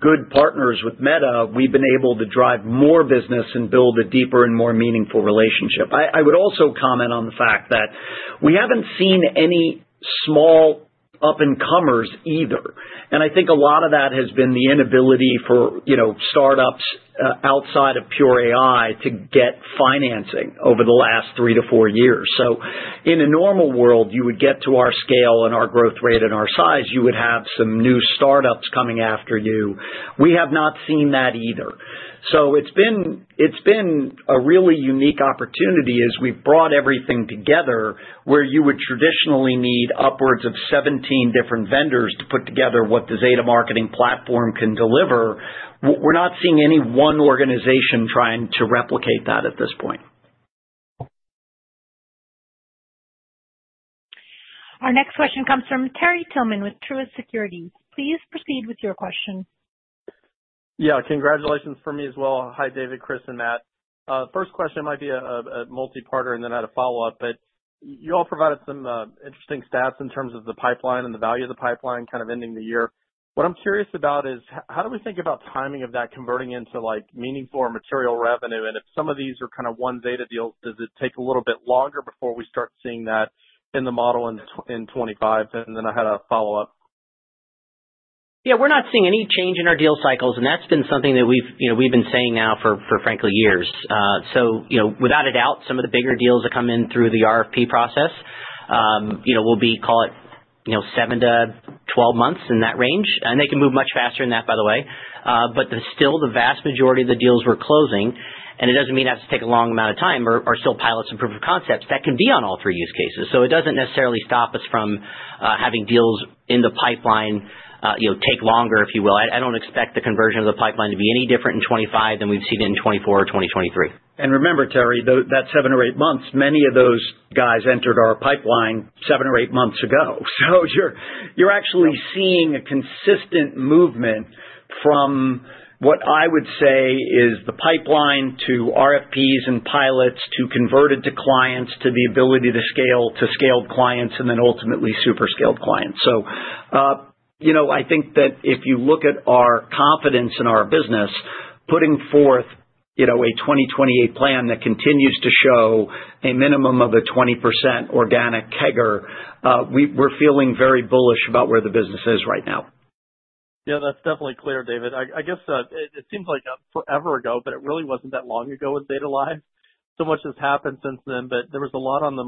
Speaker 3: good partners with Meta. We've been able to drive more business and build a deeper and more meaningful relationship. I would also comment on the fact that we haven't seen any small up-and-comers either, and I think a lot of that has been the inability for, you know, startups outside of Pure AI to get financing over the last three to four years. So in a normal world, you would get to our scale and our growth rate and our size, you would have some new startups coming after you. We have not seen that either. So it's been a really unique opportunity as we've brought everything together where you would traditionally need upwards of 17 different vendors to put together what the Zeta Marketing Platform can deliver. We're not seeing any one organization trying to replicate that at this point.
Speaker 1: Our next question comes from Terry Tillman with Truist Securities. Please proceed with your question.
Speaker 9: Yeah, congratulations from me as well. Hi, David, Chris, and Matt. First question might be a multi-parter and then I had a follow-up, but you all provided some interesting stats in terms of the pipeline and the value of the pipeline kind of ending the year. What I'm curious about is how do we think about timing of that converting into like meaningful or material revenue? And if some of these are kind of One Zeta deals, does it take a little bit longer before we start seeing that in the model in 2025? And then I had a follow-up.
Speaker 4: Yeah, we're not seeing any change in our deal cycles, and that's been something that we've, you know, we've been saying now for, frankly, years. So, you know, without a doubt, some of the bigger deals that come in through the RFP process, you know, will be, call it, you know, seven to 12 months in that range. And they can move much faster than that, by the way. But still, the vast majority of the deals we're closing, and it doesn't mean it has to take a long amount of time, are still pilots and proof of concepts that can be on all three use cases. So it doesn't necessarily stop us from having deals in the pipeline, you know, take longer, if you will. I don't expect the conversion of the pipeline to be any different in 2025 than we've seen it in 2024 or 2023.
Speaker 3: And remember, Terry, that seven or eight months, many of those guys entered our pipeline seven or eight months ago. So you're actually seeing a consistent movement from what I would say is the pipeline to RFPs and pilots to converted to clients, to the ability to scale to scaled clients, and then ultimately super scaled clients. So, you know, I think that if you look at our confidence in our business, putting forth, you know, a 2028 plan that continues to show a minimum of a 20% organic CAGR, we're feeling very bullish about where the business is right now.
Speaker 9: Yeah, that's definitely clear, David. I guess it seems like forever ago, but it really wasn't that long ago with LiveIntent. So much has happened since then, but there was a lot on the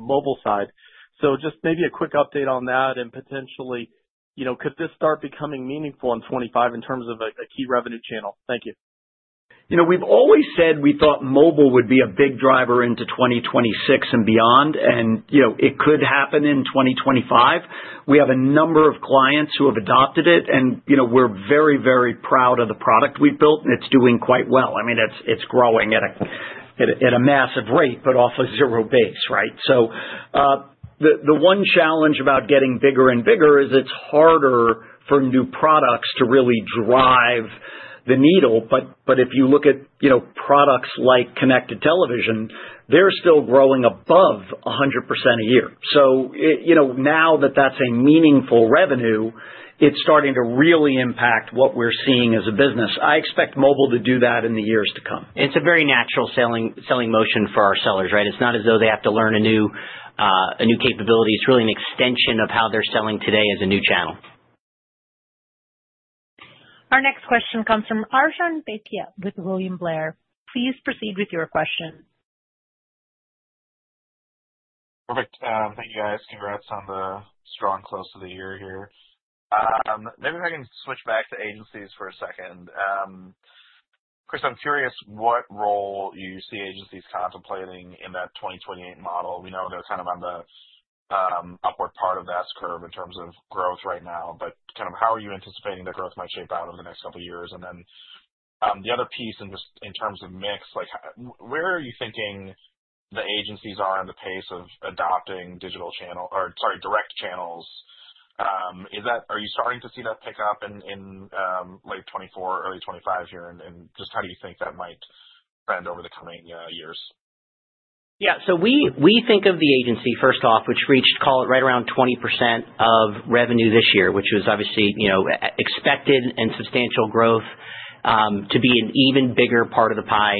Speaker 9: mobile side. So just maybe a quick update on that and potentially, you know, could this start becoming meaningful in 2025 in terms of a key revenue channel? Thank you.
Speaker 3: You know, we've always said we thought mobile would be a big driver into 2026 and beyond, and, you know, it could happen in 2025. We have a number of clients who have adopted it, and, you know, we're very, very proud of the product we've built, and it's doing quite well. I mean, it's growing at a massive rate, but off a zero base, right? So, you know, now that that's a meaningful revenue, it's starting to really impact what we're seeing as a business. I expect mobile to do that in the years to come.
Speaker 4: It's a very natural selling motion for our sellers, right? It's not as though they have to learn a new capability. It's really an extension of how they're selling today as a new channel.
Speaker 1: Our next question comes from Arjun Bhatia with William Blair. Please proceed with your question.
Speaker 10: Perfect. Thank you, guys. Congrats on the strong close of the year here. Maybe if I can switch back to agencies for a second. Chris, I'm curious what role you see agencies contemplating in that 2028 model. We know they're kind of on the upward part of that curve in terms of growth right now, but kind of how are you anticipating the growth might shape out over the next couple of years? And then, the other piece in just in terms of mix, like where are you thinking the agencies are in the pace of adopting digital channel or, sorry, direct channels? Is that, are you starting to see that pick up in, in, late 2024, early 2025 here? And just how do you think that might trend over the coming years?
Speaker 4: Yeah, so we think of the agency, first off, which reached, call it, right around 20% of revenue this year, which was obviously, you know, expected and substantial growth, to be an even bigger part of the pie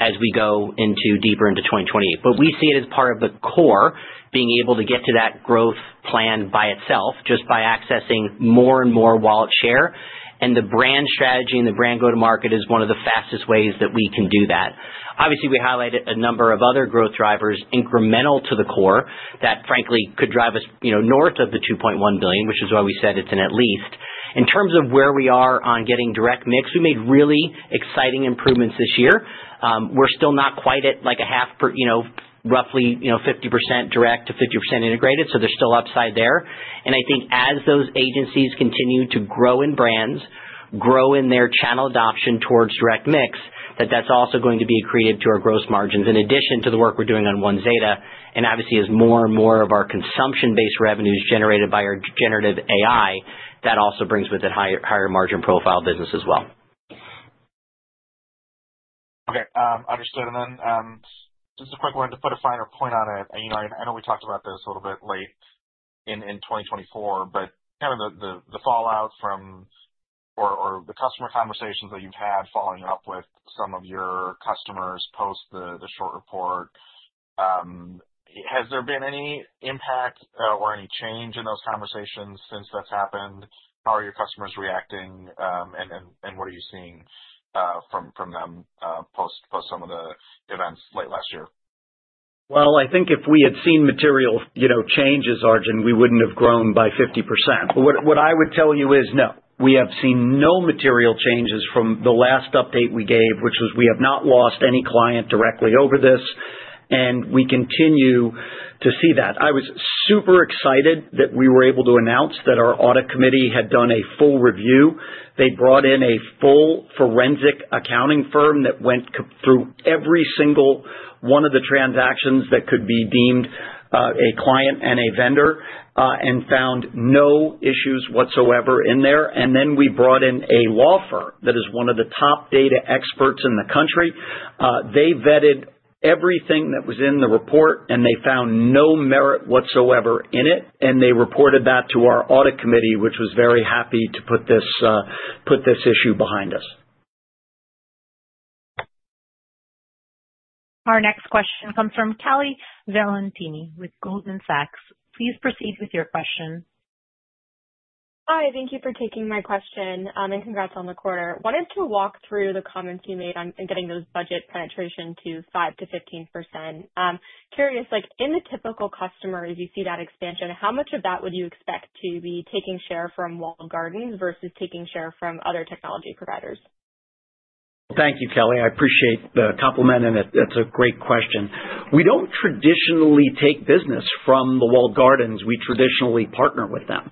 Speaker 4: as we go deeper into 2028. But we see it as part of the core being able to get to that growth plan by itself, just by accessing more and more wallet share. And the brand strategy and the brand go-to-market is one of the fastest ways that we can do that. Obviously, we highlighted a number of other growth drivers incremental to the core that, frankly, could drive us, you know, north of the $2.1 billion, which is why we said it's an at least. In terms of where we are on getting direct mix, we made really exciting improvements this year. We're still not quite at like a half, you know, roughly, you know, 50% direct to 50% integrated. So they're still upside there, and I think as those agencies continue to grow in brands, grow in their channel adoption towards direct mix, that that's also going to be accretive to our gross margins in addition to the work we're doing on One Zeta. And obviously, as more and more of our consumption-based revenues generated by our generative AI, that also brings with it higher margin profile business as well.
Speaker 10: Okay, understood. And then just a quick one to put a finer point on it. You know, I know we talked about this a little bit late in 2024, but kind of the fallout from or the customer conversations that you've had following up with some of your customers post the short report, has there been any impact or any change in those conversations since that's happened? How are your customers reacting? And what are you seeing from them post some of the events late last year?
Speaker 3: Well, I think if we had seen material, you know, changes, Arjun, we wouldn't have grown by 50%. But what I would tell you is no, we have seen no material changes from the last update we gave, which was we have not lost any client directly over this. And we continue to see that. I was super excited that we were able to announce that our audit committee had done a full review. They brought in a full forensic accounting firm that went through every single one of the transactions that could be deemed a client and a vendor and found no issues whatsoever in there. And then we brought in a law firm that is one of the top data experts in the country. They vetted everything that was in the report, and they found no merit whatsoever in it. And they reported that to our audit committee, which was very happy to put this issue behind us.
Speaker 1: Our next question comes from Kelly Valentini with Goldman Sachs. Please proceed with your question.
Speaker 11: Hi, thank you for taking my question. And congrats on the quarter. I wanted to walk through the comments you made on getting those budget penetrations to 5% to 15%. I'm curious, like in the typical customer, if you see that expansion, how much of that would you expect to be taking share from Walled Gardens versus taking share from other technology providers?
Speaker 3: Thank you, Kelly. I appreciate the compliment, and that's a great question. We don't traditionally take business from the Walled Gardens. We traditionally partner with them.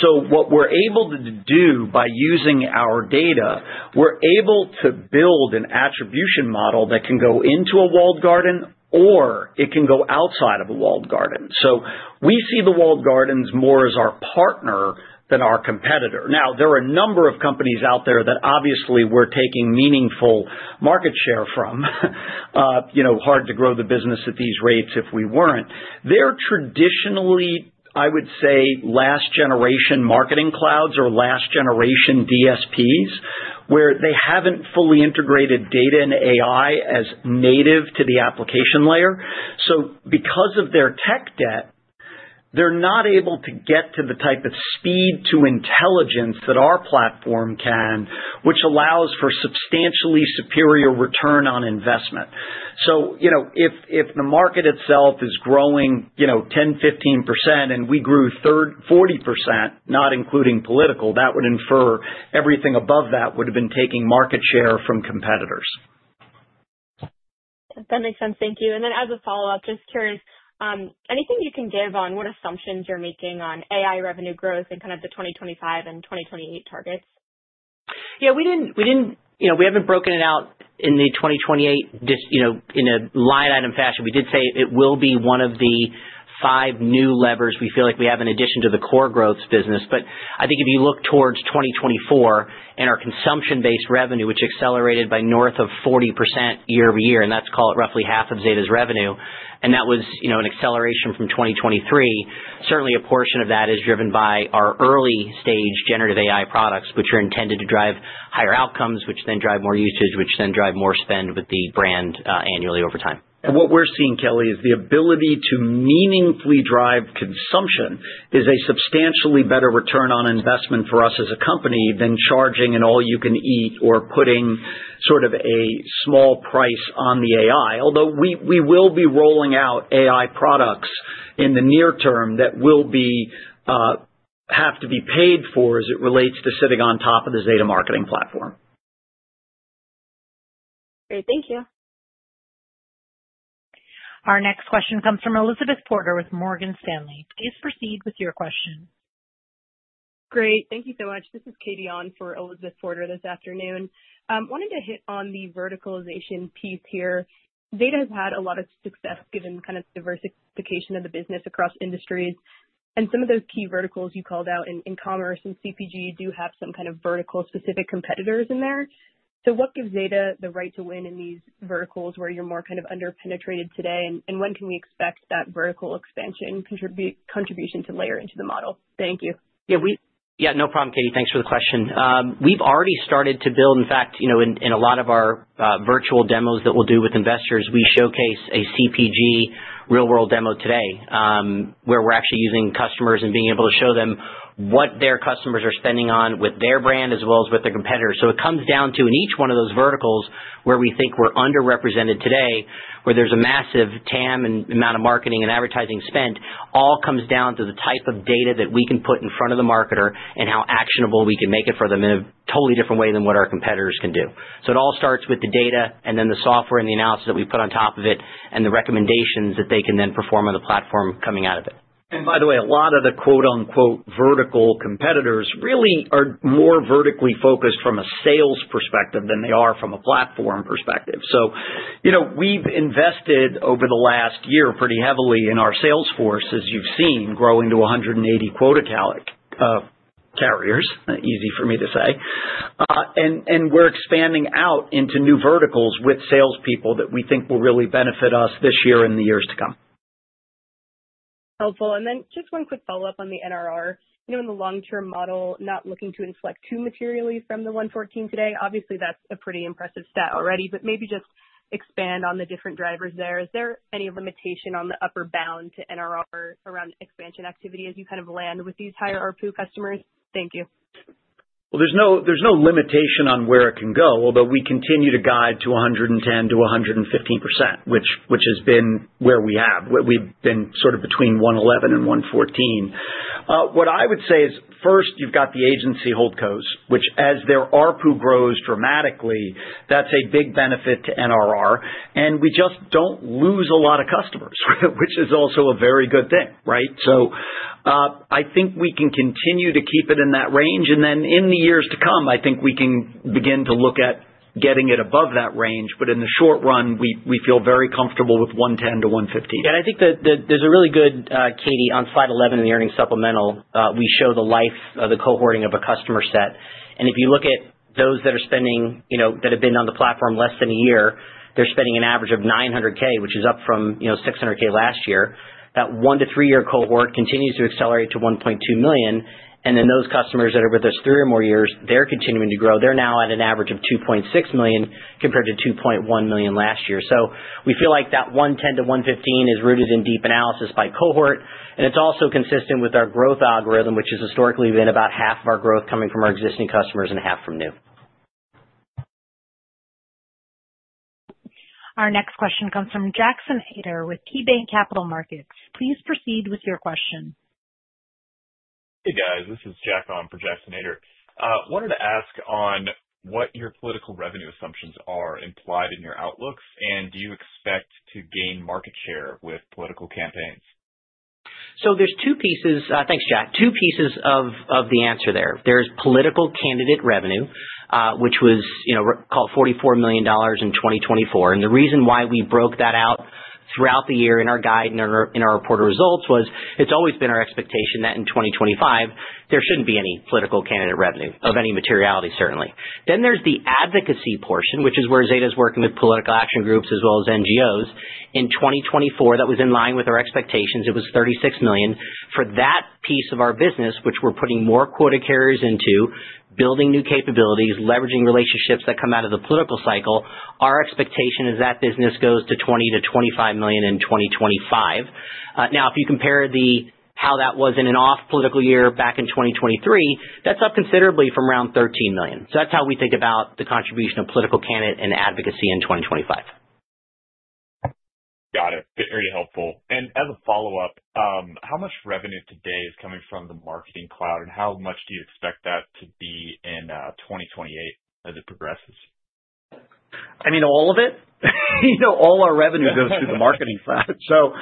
Speaker 3: So what we're able to do by using our data, we're able to build an attribution model that can go into a Walled Garden or it can go outside of a Walled Garden. So we see the Walled Gardens more as our partner than our competitor. Now, there are a number of companies out there that obviously we're taking meaningful market share from. You know, hard to grow the business at these rates if we weren't. They're traditionally, I would say, last-generation marketing clouds or last-generation DSPs where they haven't fully integrated data and AI as native to the application layer. So because of their tech debt, they're not able to get to the type of speed to intelligence that our platform can, which allows for substantially superior return on investment. So, you know, if the market itself is growing, you know, 10% to 15%, and we grew 40%, not including political, that would infer everything above that would have been taking market share from competitors.
Speaker 11: That makes sense. Thank you. And then as a follow-up, just curious, anything you can give on what assumptions you're making on AI revenue growth and kind of the 2025 and 2028 targets?
Speaker 4: Yeah, we didn't, you know, we haven't broken it out in the 2028, you know, in a line item fashion. We did say it will be one of the five new levers we feel like we have in addition to the core growth business. But I think if you look towards 2024 and our consumption-based revenue, which accelerated by north of 40% year-over-year, and that's call it roughly half of Zeta's revenue, and that was, you know, an acceleration from 2023, certainly a portion of that is driven by our early-stage generative AI products, which are intended to drive higher outcomes, which then drive more usage, which then drive more spend with the brand annually over time.
Speaker 3: And what we're seeing, Kelly, is the ability to meaningfully drive consumption is a substantially better return on investment for us as a company than charging an all-you-can-eat or putting sort of a small price on the AI. Although we will be rolling out AI products in the near term that will have to be paid for as it relates to sitting on top of the Zeta Marketing Platform.
Speaker 11: Great, thank you.
Speaker 1: Our next question comes from Elizabeth Porter with Morgan Stanley. Please proceed with your question.
Speaker 12: Great, thank you so much. This is Katy Yoon for Elizabeth Porter this afternoon. I wanted to hit on the verticalization piece here. Zeta has had a lot of success given kind of diversification of the business across industries. And some of those key verticals you called out in commerce and CPG do have some kind of vertical-specific competitors in there. So what gives Zeta the right to win in these verticals where you're more kind of under-penetrated today? And when can we expect that vertical expansion contribution to layer into the model? Thank you.
Speaker 4: Yeah, we, yeah, no problem, Katie. Thanks for the question. We've already started to build, in fact, you know, in a lot of our virtual demos that we'll do with investors, we showcase a CPG real-world demo today where we're actually using customers and being able to show them what their customers are spending on with their brand as well as with their competitors. So it comes down to, in each one of those verticals where we think we're underrepresented today, where there's a massive TAM and amount of marketing and advertising spent, all comes down to the type of data that we can put in front of the marketer and how actionable we can make it for them in a totally different way than what our competitors can do. So it all starts with the data and then the software and the analysis that we put on top of it and the recommendations that they can then perform on the platform coming out of it.
Speaker 3: And by the way, a lot of the quote-unquote vertical competitors really are more vertically focused from a sales perspective than they are from a platform perspective. So, you know, we've invested over the last year pretty heavily in our sales force, as you've seen, growing to 180 quota carriers. Easy for me to say. And we're expanding out into new verticals with salespeople that we think will really benefit us this year and the years to come.
Speaker 12: Helpful. And then just one quick follow-up on the NRR. You know, in the long-term model, not looking to inflect too materially from the 114% today, obviously that's a pretty impressive stat already, but maybe just expand on the different drivers there. Is there any limitation on the upper bound to NRR around expansion activity as you kind of land with these higher RPU customers? Thank you.
Speaker 3: Well, there's no limitation on where it can go, although we continue to guide to 110% to 115%, which has been where we have. We've been sort of between 111% and 114%. What I would say is, first, you've got the agency HoldCos, which as their RPU grows dramatically, that's a big benefit to NRR. And we just don't lose a lot of customers, which is also a very good thing, right? So I think we can continue to keep it in that range. And then in the years to come, I think we can begin to look at getting it above that range. But in the short run, we feel very comfortable with 110% to 115%.
Speaker 4: Yeah, and I think that there's a really good, Katie, on slide 11 in the earnings supplemental, we show the life of the cohorting of a customer set. And if you look at those that are spending, you know, that have been on the platform less than a year, they're spending an average of $900K, which is up from, you know, $600K last year. That one to three-year cohort continues to accelerate to $1.2 million. And then those customers that are with us three or more years, they're continuing to grow. They're now at an average of $2.6 million compared to $2.1 million last year. So we feel like that 110& to 115& is rooted in deep analysis by cohort. And it's also consistent with our growth algorithm, which has historically been about half of our growth coming from our existing customers and half from new.
Speaker 1: Our next question comes from Jackson Ader with KeyBank Capital Markets. Please proceed with your question.
Speaker 13: Hey, guys, this is Jack on for Jackson Ader. I wanted to ask on what your political revenue assumptions are implied in your outlooks, and do you expect to gain market share with political campaigns?
Speaker 4: So there's two pieces, thanks, Jack, two pieces of the answer there. There's political candidate revenue, which was, you know, called $44 million in 2024. The reason why we broke that out throughout the year in our guide and in our report of results was it's always been our expectation that in 2025, there shouldn't be any political candidate revenue of any materiality, certainly. Then there's the advocacy portion, which is where Zeta is working with political action groups as well as NGOs. In 2024, that was in line with our expectations. It was $36 million for that piece of our business, which we're putting more quota carriers into, building new capabilities, leveraging relationships that come out of the political cycle. Our expectation is that business goes to $20 million-$25 million in 2025. Now, if you compare how that was in an off political year back in 2023, that's up considerably from around $13 million. So that's how we think about the contribution of political candidate and advocacy in 2025. Got it.
Speaker 13: Very helpful. And as a follow-up, how much revenue today is coming from the marketing cloud, and how much do you expect that to be in 2028 as it progresses?
Speaker 3: I mean, all of it? You know, all our revenue goes to the marketing cloud. So,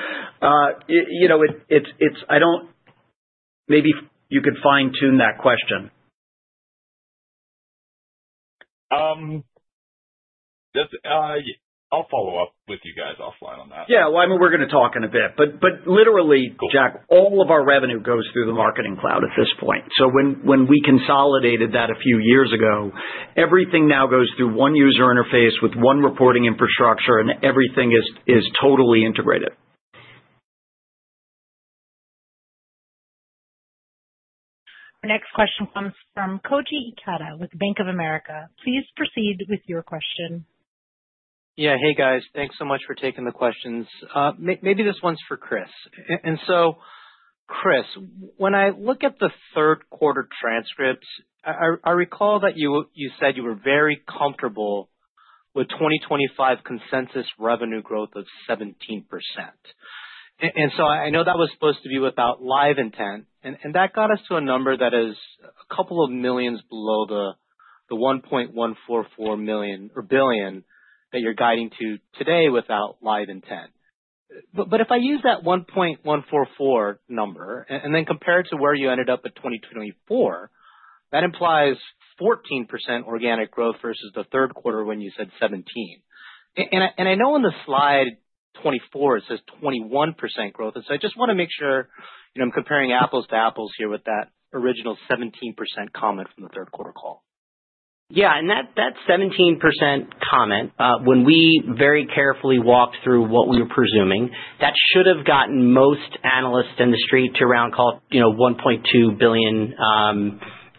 Speaker 3: you know, it's. I don't, maybe you could fine-tune that question.
Speaker 13: I'll follow up with you guys offline on that.
Speaker 3: Yeah, well, I mean, we're going to talk in a bit. But literally, Jack, all of our revenue goes through the marketing cloud at this point. So when we consolidated that a few years ago, everything now goes through one user interface with one reporting infrastructure, and everything is totally integrated.
Speaker 1: Our next question comes from Koji Ikeda with Bank of America. Please proceed with your question.
Speaker 14: Yeah, hey, guys. Thanks so much for taking the questions. Maybe this one's for Chris. So, Chris, when I look at the third quarter transcripts, I recall that you said you were very comfortable with 2025 consensus revenue growth of 17%. I know that was supposed to be without LiveIntent, and that got us to a number that is a couple of millions below the $1.144 billion that you're guiding to today without LiveIntent. If I use that $1.144 billion number and then compare it to where you ended up at 2024, that implies 14% organic growth versus the third quarter when you said 17%. I know on Slide 24, it says 21% growth. I just want to make sure, you know, I'm comparing apples to apples here with that original 17% comment from the third quarter call.
Speaker 4: Yeah, and that 17% comment, when we very carefully walked through what we were presuming, that should have gotten most analysts on the street to around call, you know, $1.2 billion,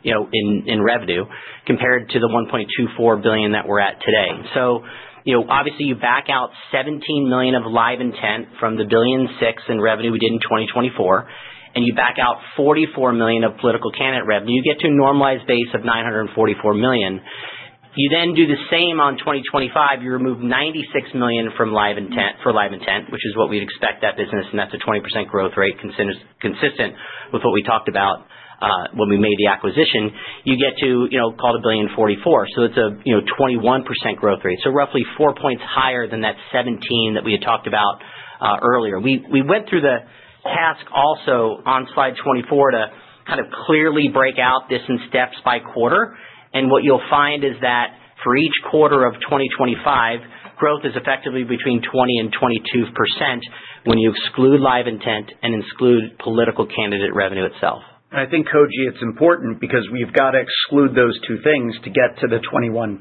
Speaker 4: you know, in revenue compared to the $1.24 billion that we're at today. So, you know, obviously you back out $17 million of LiveIntent from the $1.6 billion in revenue we did in 2024, and you back out $44 million of political candidate revenue. You get to a normalized base of $944 million. You then do the same on 2025. You remove $96 million from LiveIntent for LiveIntent, which is what we'd expect that business, and that's a 20% growth rate consistent with what we talked about when we made the acquisition. You get to, you know, call it a $1.044 billion. So it's a, you know, 21% growth rate. So roughly four points higher than that 17% that we had talked about earlier. We went through the task also on slide 24 to kind of clearly break out this in steps by quarter. And what you'll find is that for each quarter of 2025, growth is effectively between 20% to 22% when you exclude LiveIntent and exclude political candidate revenue itself.
Speaker 3: And I think, Koji, it's important because we've got to exclude those two things to get to the 21%.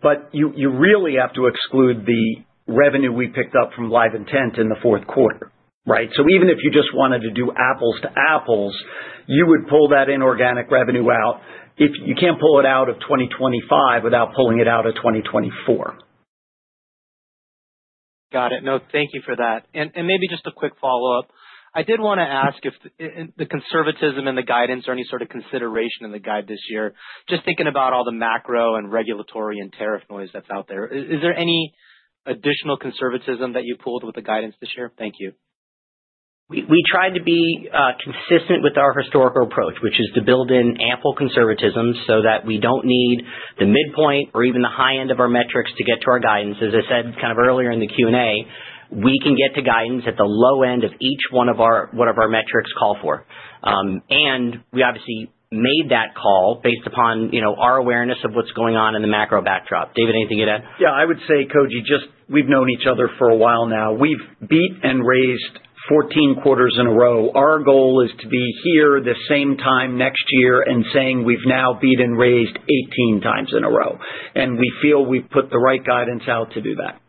Speaker 3: But you really have to exclude the revenue we picked up from LiveIntent in the fourth quarter, right? So even if you just wanted to do apples to apples, you would pull that inorganic revenue out. You can't pull it out of 2025 without pulling it out of 2024.
Speaker 14: Got it. No, thank you for that. And maybe just a quick follow-up. I did want to ask if the conservatism in the guidance or any sort of consideration in the guide this year, just thinking about all the macro and regulatory and tariff noise that's out there, is there any additional conservatism that you pulled with the guidance this year? Thank you.
Speaker 4: We tried to be consistent with our historical approach, which is to build in ample conservatism so that we don't need the midpoint or even the high end of our metrics to get to our guidance. As I said kind of earlier in the Q&A, we can get to guidance at the low end of each one of our whatever our metrics call for. And we obviously made that call based upon, you know, our awareness of what's going on in the macro backdrop. David, anything you'd add?
Speaker 3: Yeah, I would say, Koji, just we've known each other for a while now. We've beat and raised 14 quarters in a row. Our goal is to be here the same time next year and saying we've now beat and raised 18 times in a row. And we feel we've put the right guidance out to do that.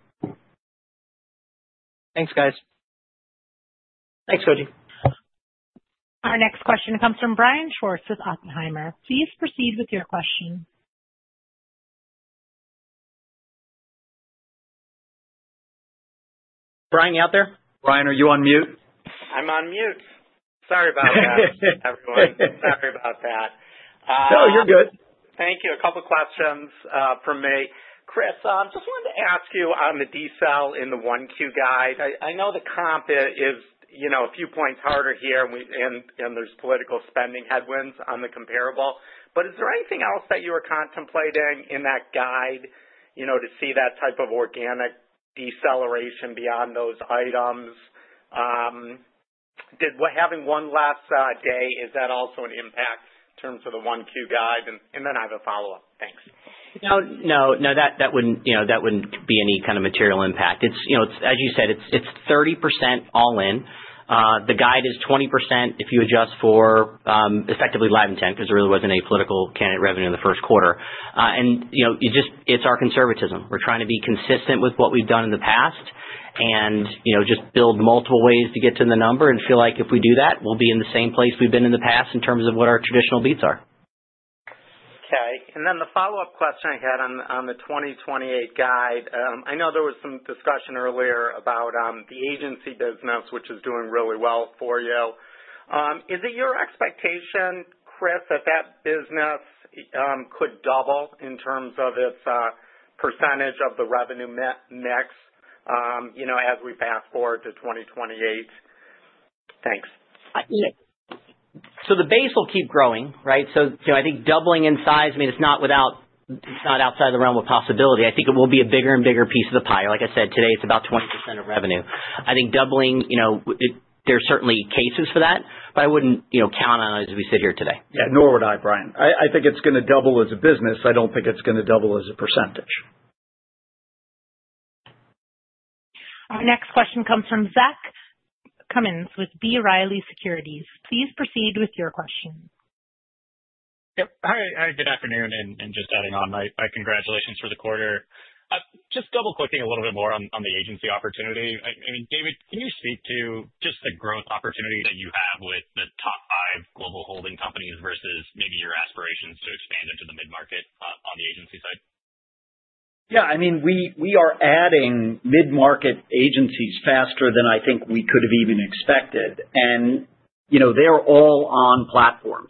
Speaker 14: Thanks, guys.
Speaker 4: Thanks, Koji.
Speaker 1: Our next question comes from Brian Schwartz with Oppenheimer. Please proceed with your question.
Speaker 4: Brian, you out there?
Speaker 3: Brian, are you on mute?
Speaker 15: I'm on mute. Sorry about that, everyone. Sorry about that.
Speaker 3: No, you're good.
Speaker 15: Thank you. A couple of questions for me. Chris, I just wanted to ask you on the decel in the 1Q guide. I know the comp is, you know, a few points harder here, and there's political spending headwinds on the comparable. But is there anything else that you were contemplating in that guide, you know, to see that type of organic deceleration beyond those items? Did having one last day, is that also an impact in terms of the 1Q guide? And then I have a follow-up. Thanks.
Speaker 4: No, no, no, that wouldn't, you know, that wouldn't be any kind of material impact. It's, you know, as you said, it's 30% all in. The guide is 20% if you adjust for effectively LiveIntent because there really wasn't any political candidate revenue in the first quarter. And, you know, it's just, it's our conservatism. We're trying to be consistent with what we've done in the past and, you know, just build multiple ways to get to the number and feel like if we do that, we'll be in the same place we've been in the past in terms of what our traditional beats are.
Speaker 15: Okay. And then the follow-up question I had on the 2028 guide, I know there was some discussion earlier about the agency business, which is doing really well for you. Is it your expectation, Chris, that that business could double in terms of its percentage of the revenue mix, you know, as we fast forward to 2028? Thanks.
Speaker 4: So the base will keep growing, right? So, you know, I think doubling in size, I mean, it's not without, it's not outside the realm of possibility. I think it will be a bigger and bigger piece of the pie. Like I said, today it's about 20% of revenue. I think doubling, you know, there's certainly cases for that, but I wouldn't, you know, count on it as we sit here today.
Speaker 3: Yeah, nor would I, Brian. I think it's going to double as a business. I don't think it's going to double as a percentage.
Speaker 1: Our next question comes from Zach Cummins with B. Riley Securities. Please proceed with your question.
Speaker 16: Hi, good afternoon, and just adding on. My congratulations for the quarter. Just double-clicking a little bit more on the agency opportunity. I mean, David, can you speak to just the growth opportunity that you have with the top five global holding companies versus maybe your aspirations to expand into the mid-market on the agency side?
Speaker 3: Yeah, I mean, we are adding mid-market agencies faster than I think we could have even expected. You know, they're all on platform.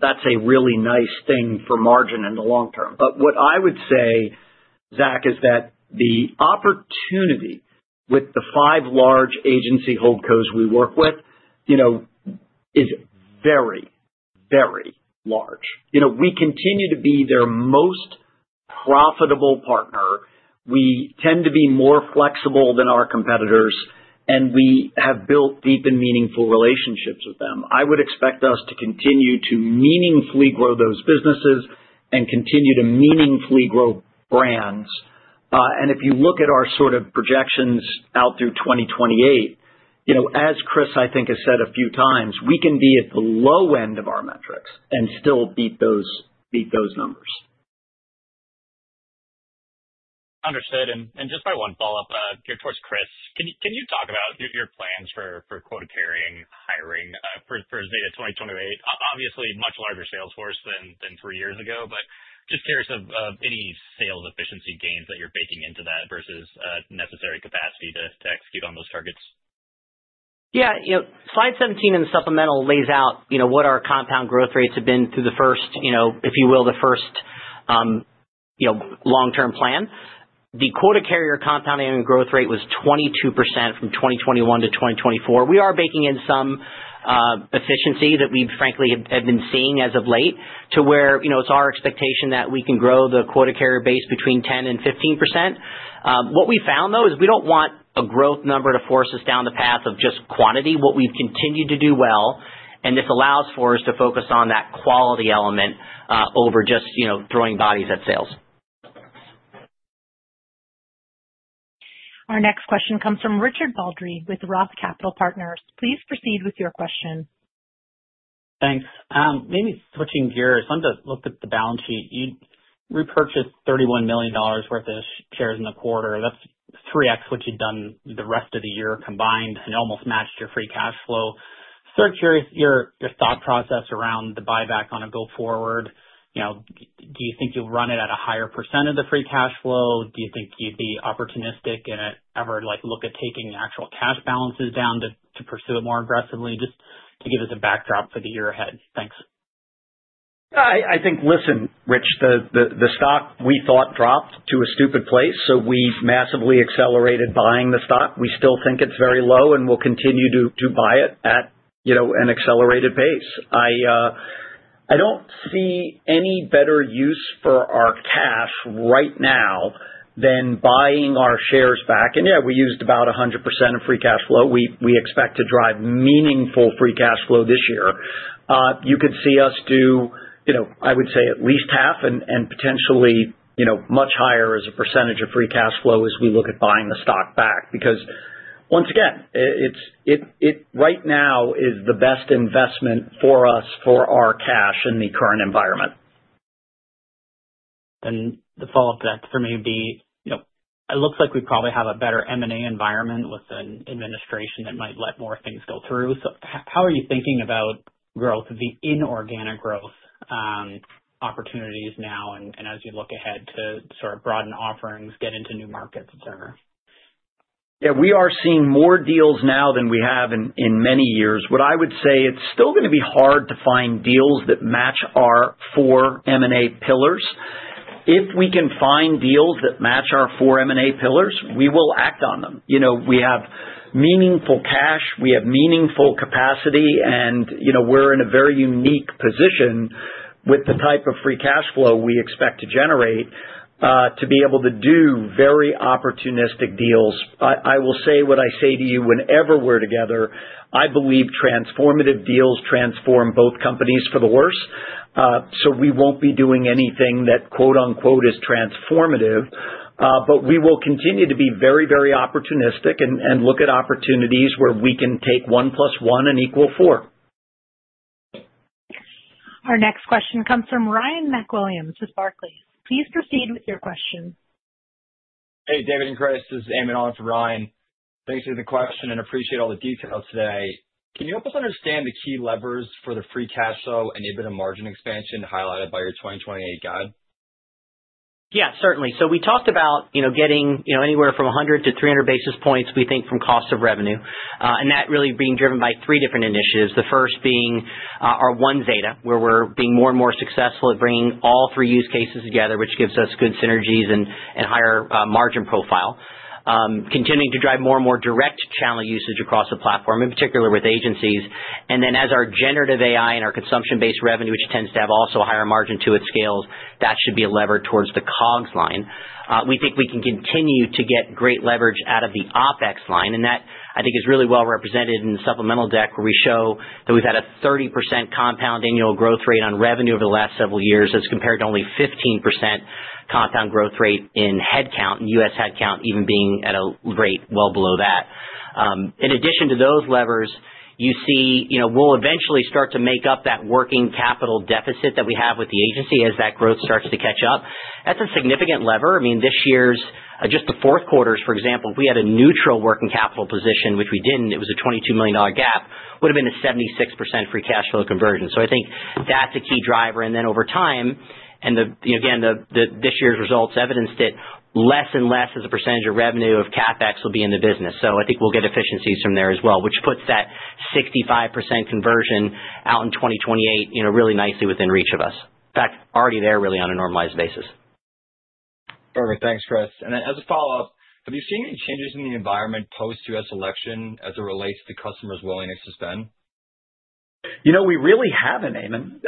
Speaker 3: That's a really nice thing for margin in the long term. What I would say, Zach, is that the opportunity with the five large agency hold codes we work with, you know, is very, very large. You know, we continue to be their most profitable partner. We tend to be more flexible than our competitors, and we have built deep and meaningful relationships with them. I would expect us to continue to meaningfully grow those businesses and continue to meaningfully grow brands. If you look at our sort of projections out through 2028, you know, as Chris, I think, has said a few times, we can be at the low end of our metrics and still beat those numbers.
Speaker 16: Understood. Just by one follow-up here towards Chris, can you talk about your plans for quota carrying hiring for Zeta 2028? Obviously, much larger sales force than three years ago, but just curious of any sales efficiency gains that you're baking into that versus necessary capacity to execute on those targets.
Speaker 4: Yeah, you know, slide 17 in the supplemental lays out, you know, what our compound growth rates have been through the first, you know, if you will, the first, you know, long-term plan. The quota carrier compounding growth rate was 22% from 2021 to 2024. We are baking in some efficiency that we've frankly had been seeing as of late to where, you know, it's our expectation that we can grow the quota carrier base between 10% and 15%. What we found, though, is we don't want a growth number to force us down the path of just quantity. What we've continued to do well, and this allows for us to focus on that quality element over just, you know, throwing bodies at sales.
Speaker 1: Our next question comes from Richard Baldry with Roth Capital Partners. Please proceed with your question.
Speaker 17: Thanks. Maybe switching gears, let me look at the balance sheet. You repurchased $31 million worth of shares in the quarter. That's 3x what you'd done the rest of the year combined and almost matched your free cash flow. Sort of curious your thought process around the buyback on a going forward. You know, do you think you'll run it at a higher percent of the free cash flow? Do you think you'd be opportunistic and ever, like, look at taking actual cash balances down to pursue it more aggressively just to give us a backdrop for the year ahead? Thanks.
Speaker 3: I think, listen, Rich, the stock we thought dropped to a stupid place, so we massively accelerated buying the stock. We still think it's very low and will continue to buy it at, you know, an accelerated pace. I don't see any better use for our cash right now than buying our shares back. And yeah, we used about 100% of free cash flow. We expect to drive meaningful free cash flow this year. You could see us do, you know, I would say at least half and potentially, you know, much higher as a percentage of free cash flow as we look at buying the stock back because, once again, it right now is the best investment for us for our cash in the current environment.
Speaker 17: The follow-up to that for me would be, you know, it looks like we probably have a better M&A environment with an administration that might let more things go through. So how are you thinking about growth of the inorganic growth opportunities now and as you look ahead to sort of broaden offerings, get into new markets, etc.?
Speaker 3: Yeah, we are seeing more deals now than we have in many years. What I would say, it's still going to be hard to find deals that match our four M&A pillars. If we can find deals that match our four M&A pillars, we will act on them. You know, we have meaningful cash, we have meaningful capacity, and, you know, we're in a very unique position with the type of free cash flow we expect to generate to be able to do very opportunistic deals. I will say what I say to you whenever we're together. I believe transformative deals transform both companies for the worse. So we won't be doing anything that "is transformative," but we will continue to be very, very opportunistic and look at opportunities where we can take one plus one and equal four.
Speaker 1: Our next question comes from Ryan MacWilliams with Barclays. Please proceed with your question.
Speaker 18: Hey, David and Chris, this is Amy Lawrence with Ryan. Thanks for the question and appreciate all the details today. Can you help us understand the key levers for the free cash flow and even a margin expansion highlighted by your 2028 guide?
Speaker 4: Yeah, certainly, so we talked about, you know, getting, you know, anywhere from 100 to 300 basis points, we think, from cost of revenue, and that really being driven by three different initiatives. The first being our One Zeta, where we're being more and more successful at bringing all three use cases together, which gives us good synergies and higher margin profile, continuing to drive more and more direct channel usage across the platform, in particular with agencies, and then as our generative AI and our consumption-based revenue, which tends to have also a higher margin to its scales, that should be a lever towards the COGS line. We think we can continue to get great leverage out of the OpEx line, and that, I think, is really well represented in the supplemental deck where we show that we've had a 30% compound annual growth rate on revenue over the last several years as compared to only 15% compound growth rate in headcount, in U.S. headcount, even being at a rate well below that. In addition to those levers, you see, you know, we'll eventually start to make up that working capital deficit that we have with the agency as that growth starts to catch up. That's a significant lever. I mean, this year's, just the fourth quarters, for example, if we had a neutral working capital position, which we didn't, it was a $22 million gap, would have been a 76% free cash flow conversion. So I think that's a key driver. And then over time, and again, this year's results evidenced it, less and less is the percentage of revenue of CapEx will be in the business. So I think we'll get efficiencies from there as well, which puts that 65% conversion out in 2028, you know, really nicely within reach of us. In fact, already there really on a normalized basis.
Speaker 18: Perfect. Thanks, Chris. And then as a follow-up, have you seen any changes in the environment post-U.S. election as it relates to customers' willingness to spend?
Speaker 3: You know, we really haven't, I mean.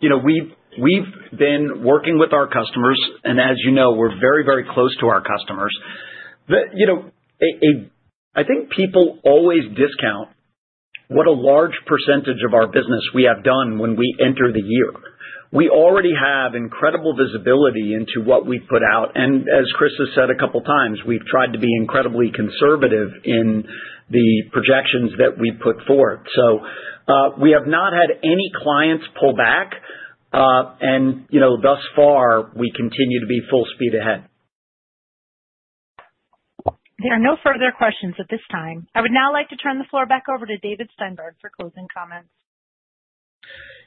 Speaker 3: You know, we've been working with our customers, and as you know, we're very, very close to our customers. You know, I think people always discount what a large percentage of our business we have done when we enter the year. We already have incredible visibility into what we've put out. And as Chris has said a couple of times, we've tried to be incredibly conservative in the projections that we put forth. So we have not had any clients pull back. And, you know, thus far, we continue to be full speed ahead.
Speaker 1: There are no further questions at this time. I would now like to turn the floor back over to David Steinberg for closing comments.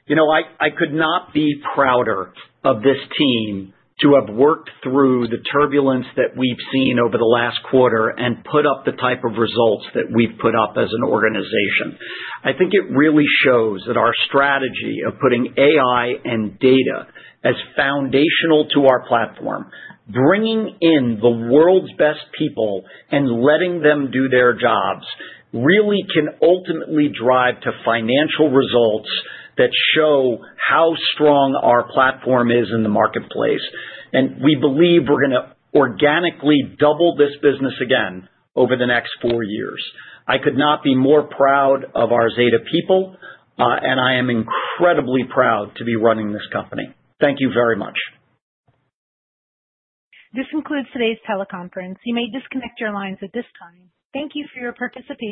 Speaker 3: You know, I could not be prouder of this team to have worked through the turbulence that we've seen over the last quarter and put up the type of results that we've put up as an organization. I think it really shows that our strategy of putting AI and data as foundational to our platform, bringing in the world's best people and letting them do their jobs, really can ultimately drive to financial results that show how strong our platform is in the marketplace, and we believe we're going to organically double this business again over the next four years. I could not be more proud of our Zeta people, and I am incredibly proud to be running this company. Thank you very much.
Speaker 1: This concludes today's teleconference. You may disconnect your lines at this time. Thank you for your participation.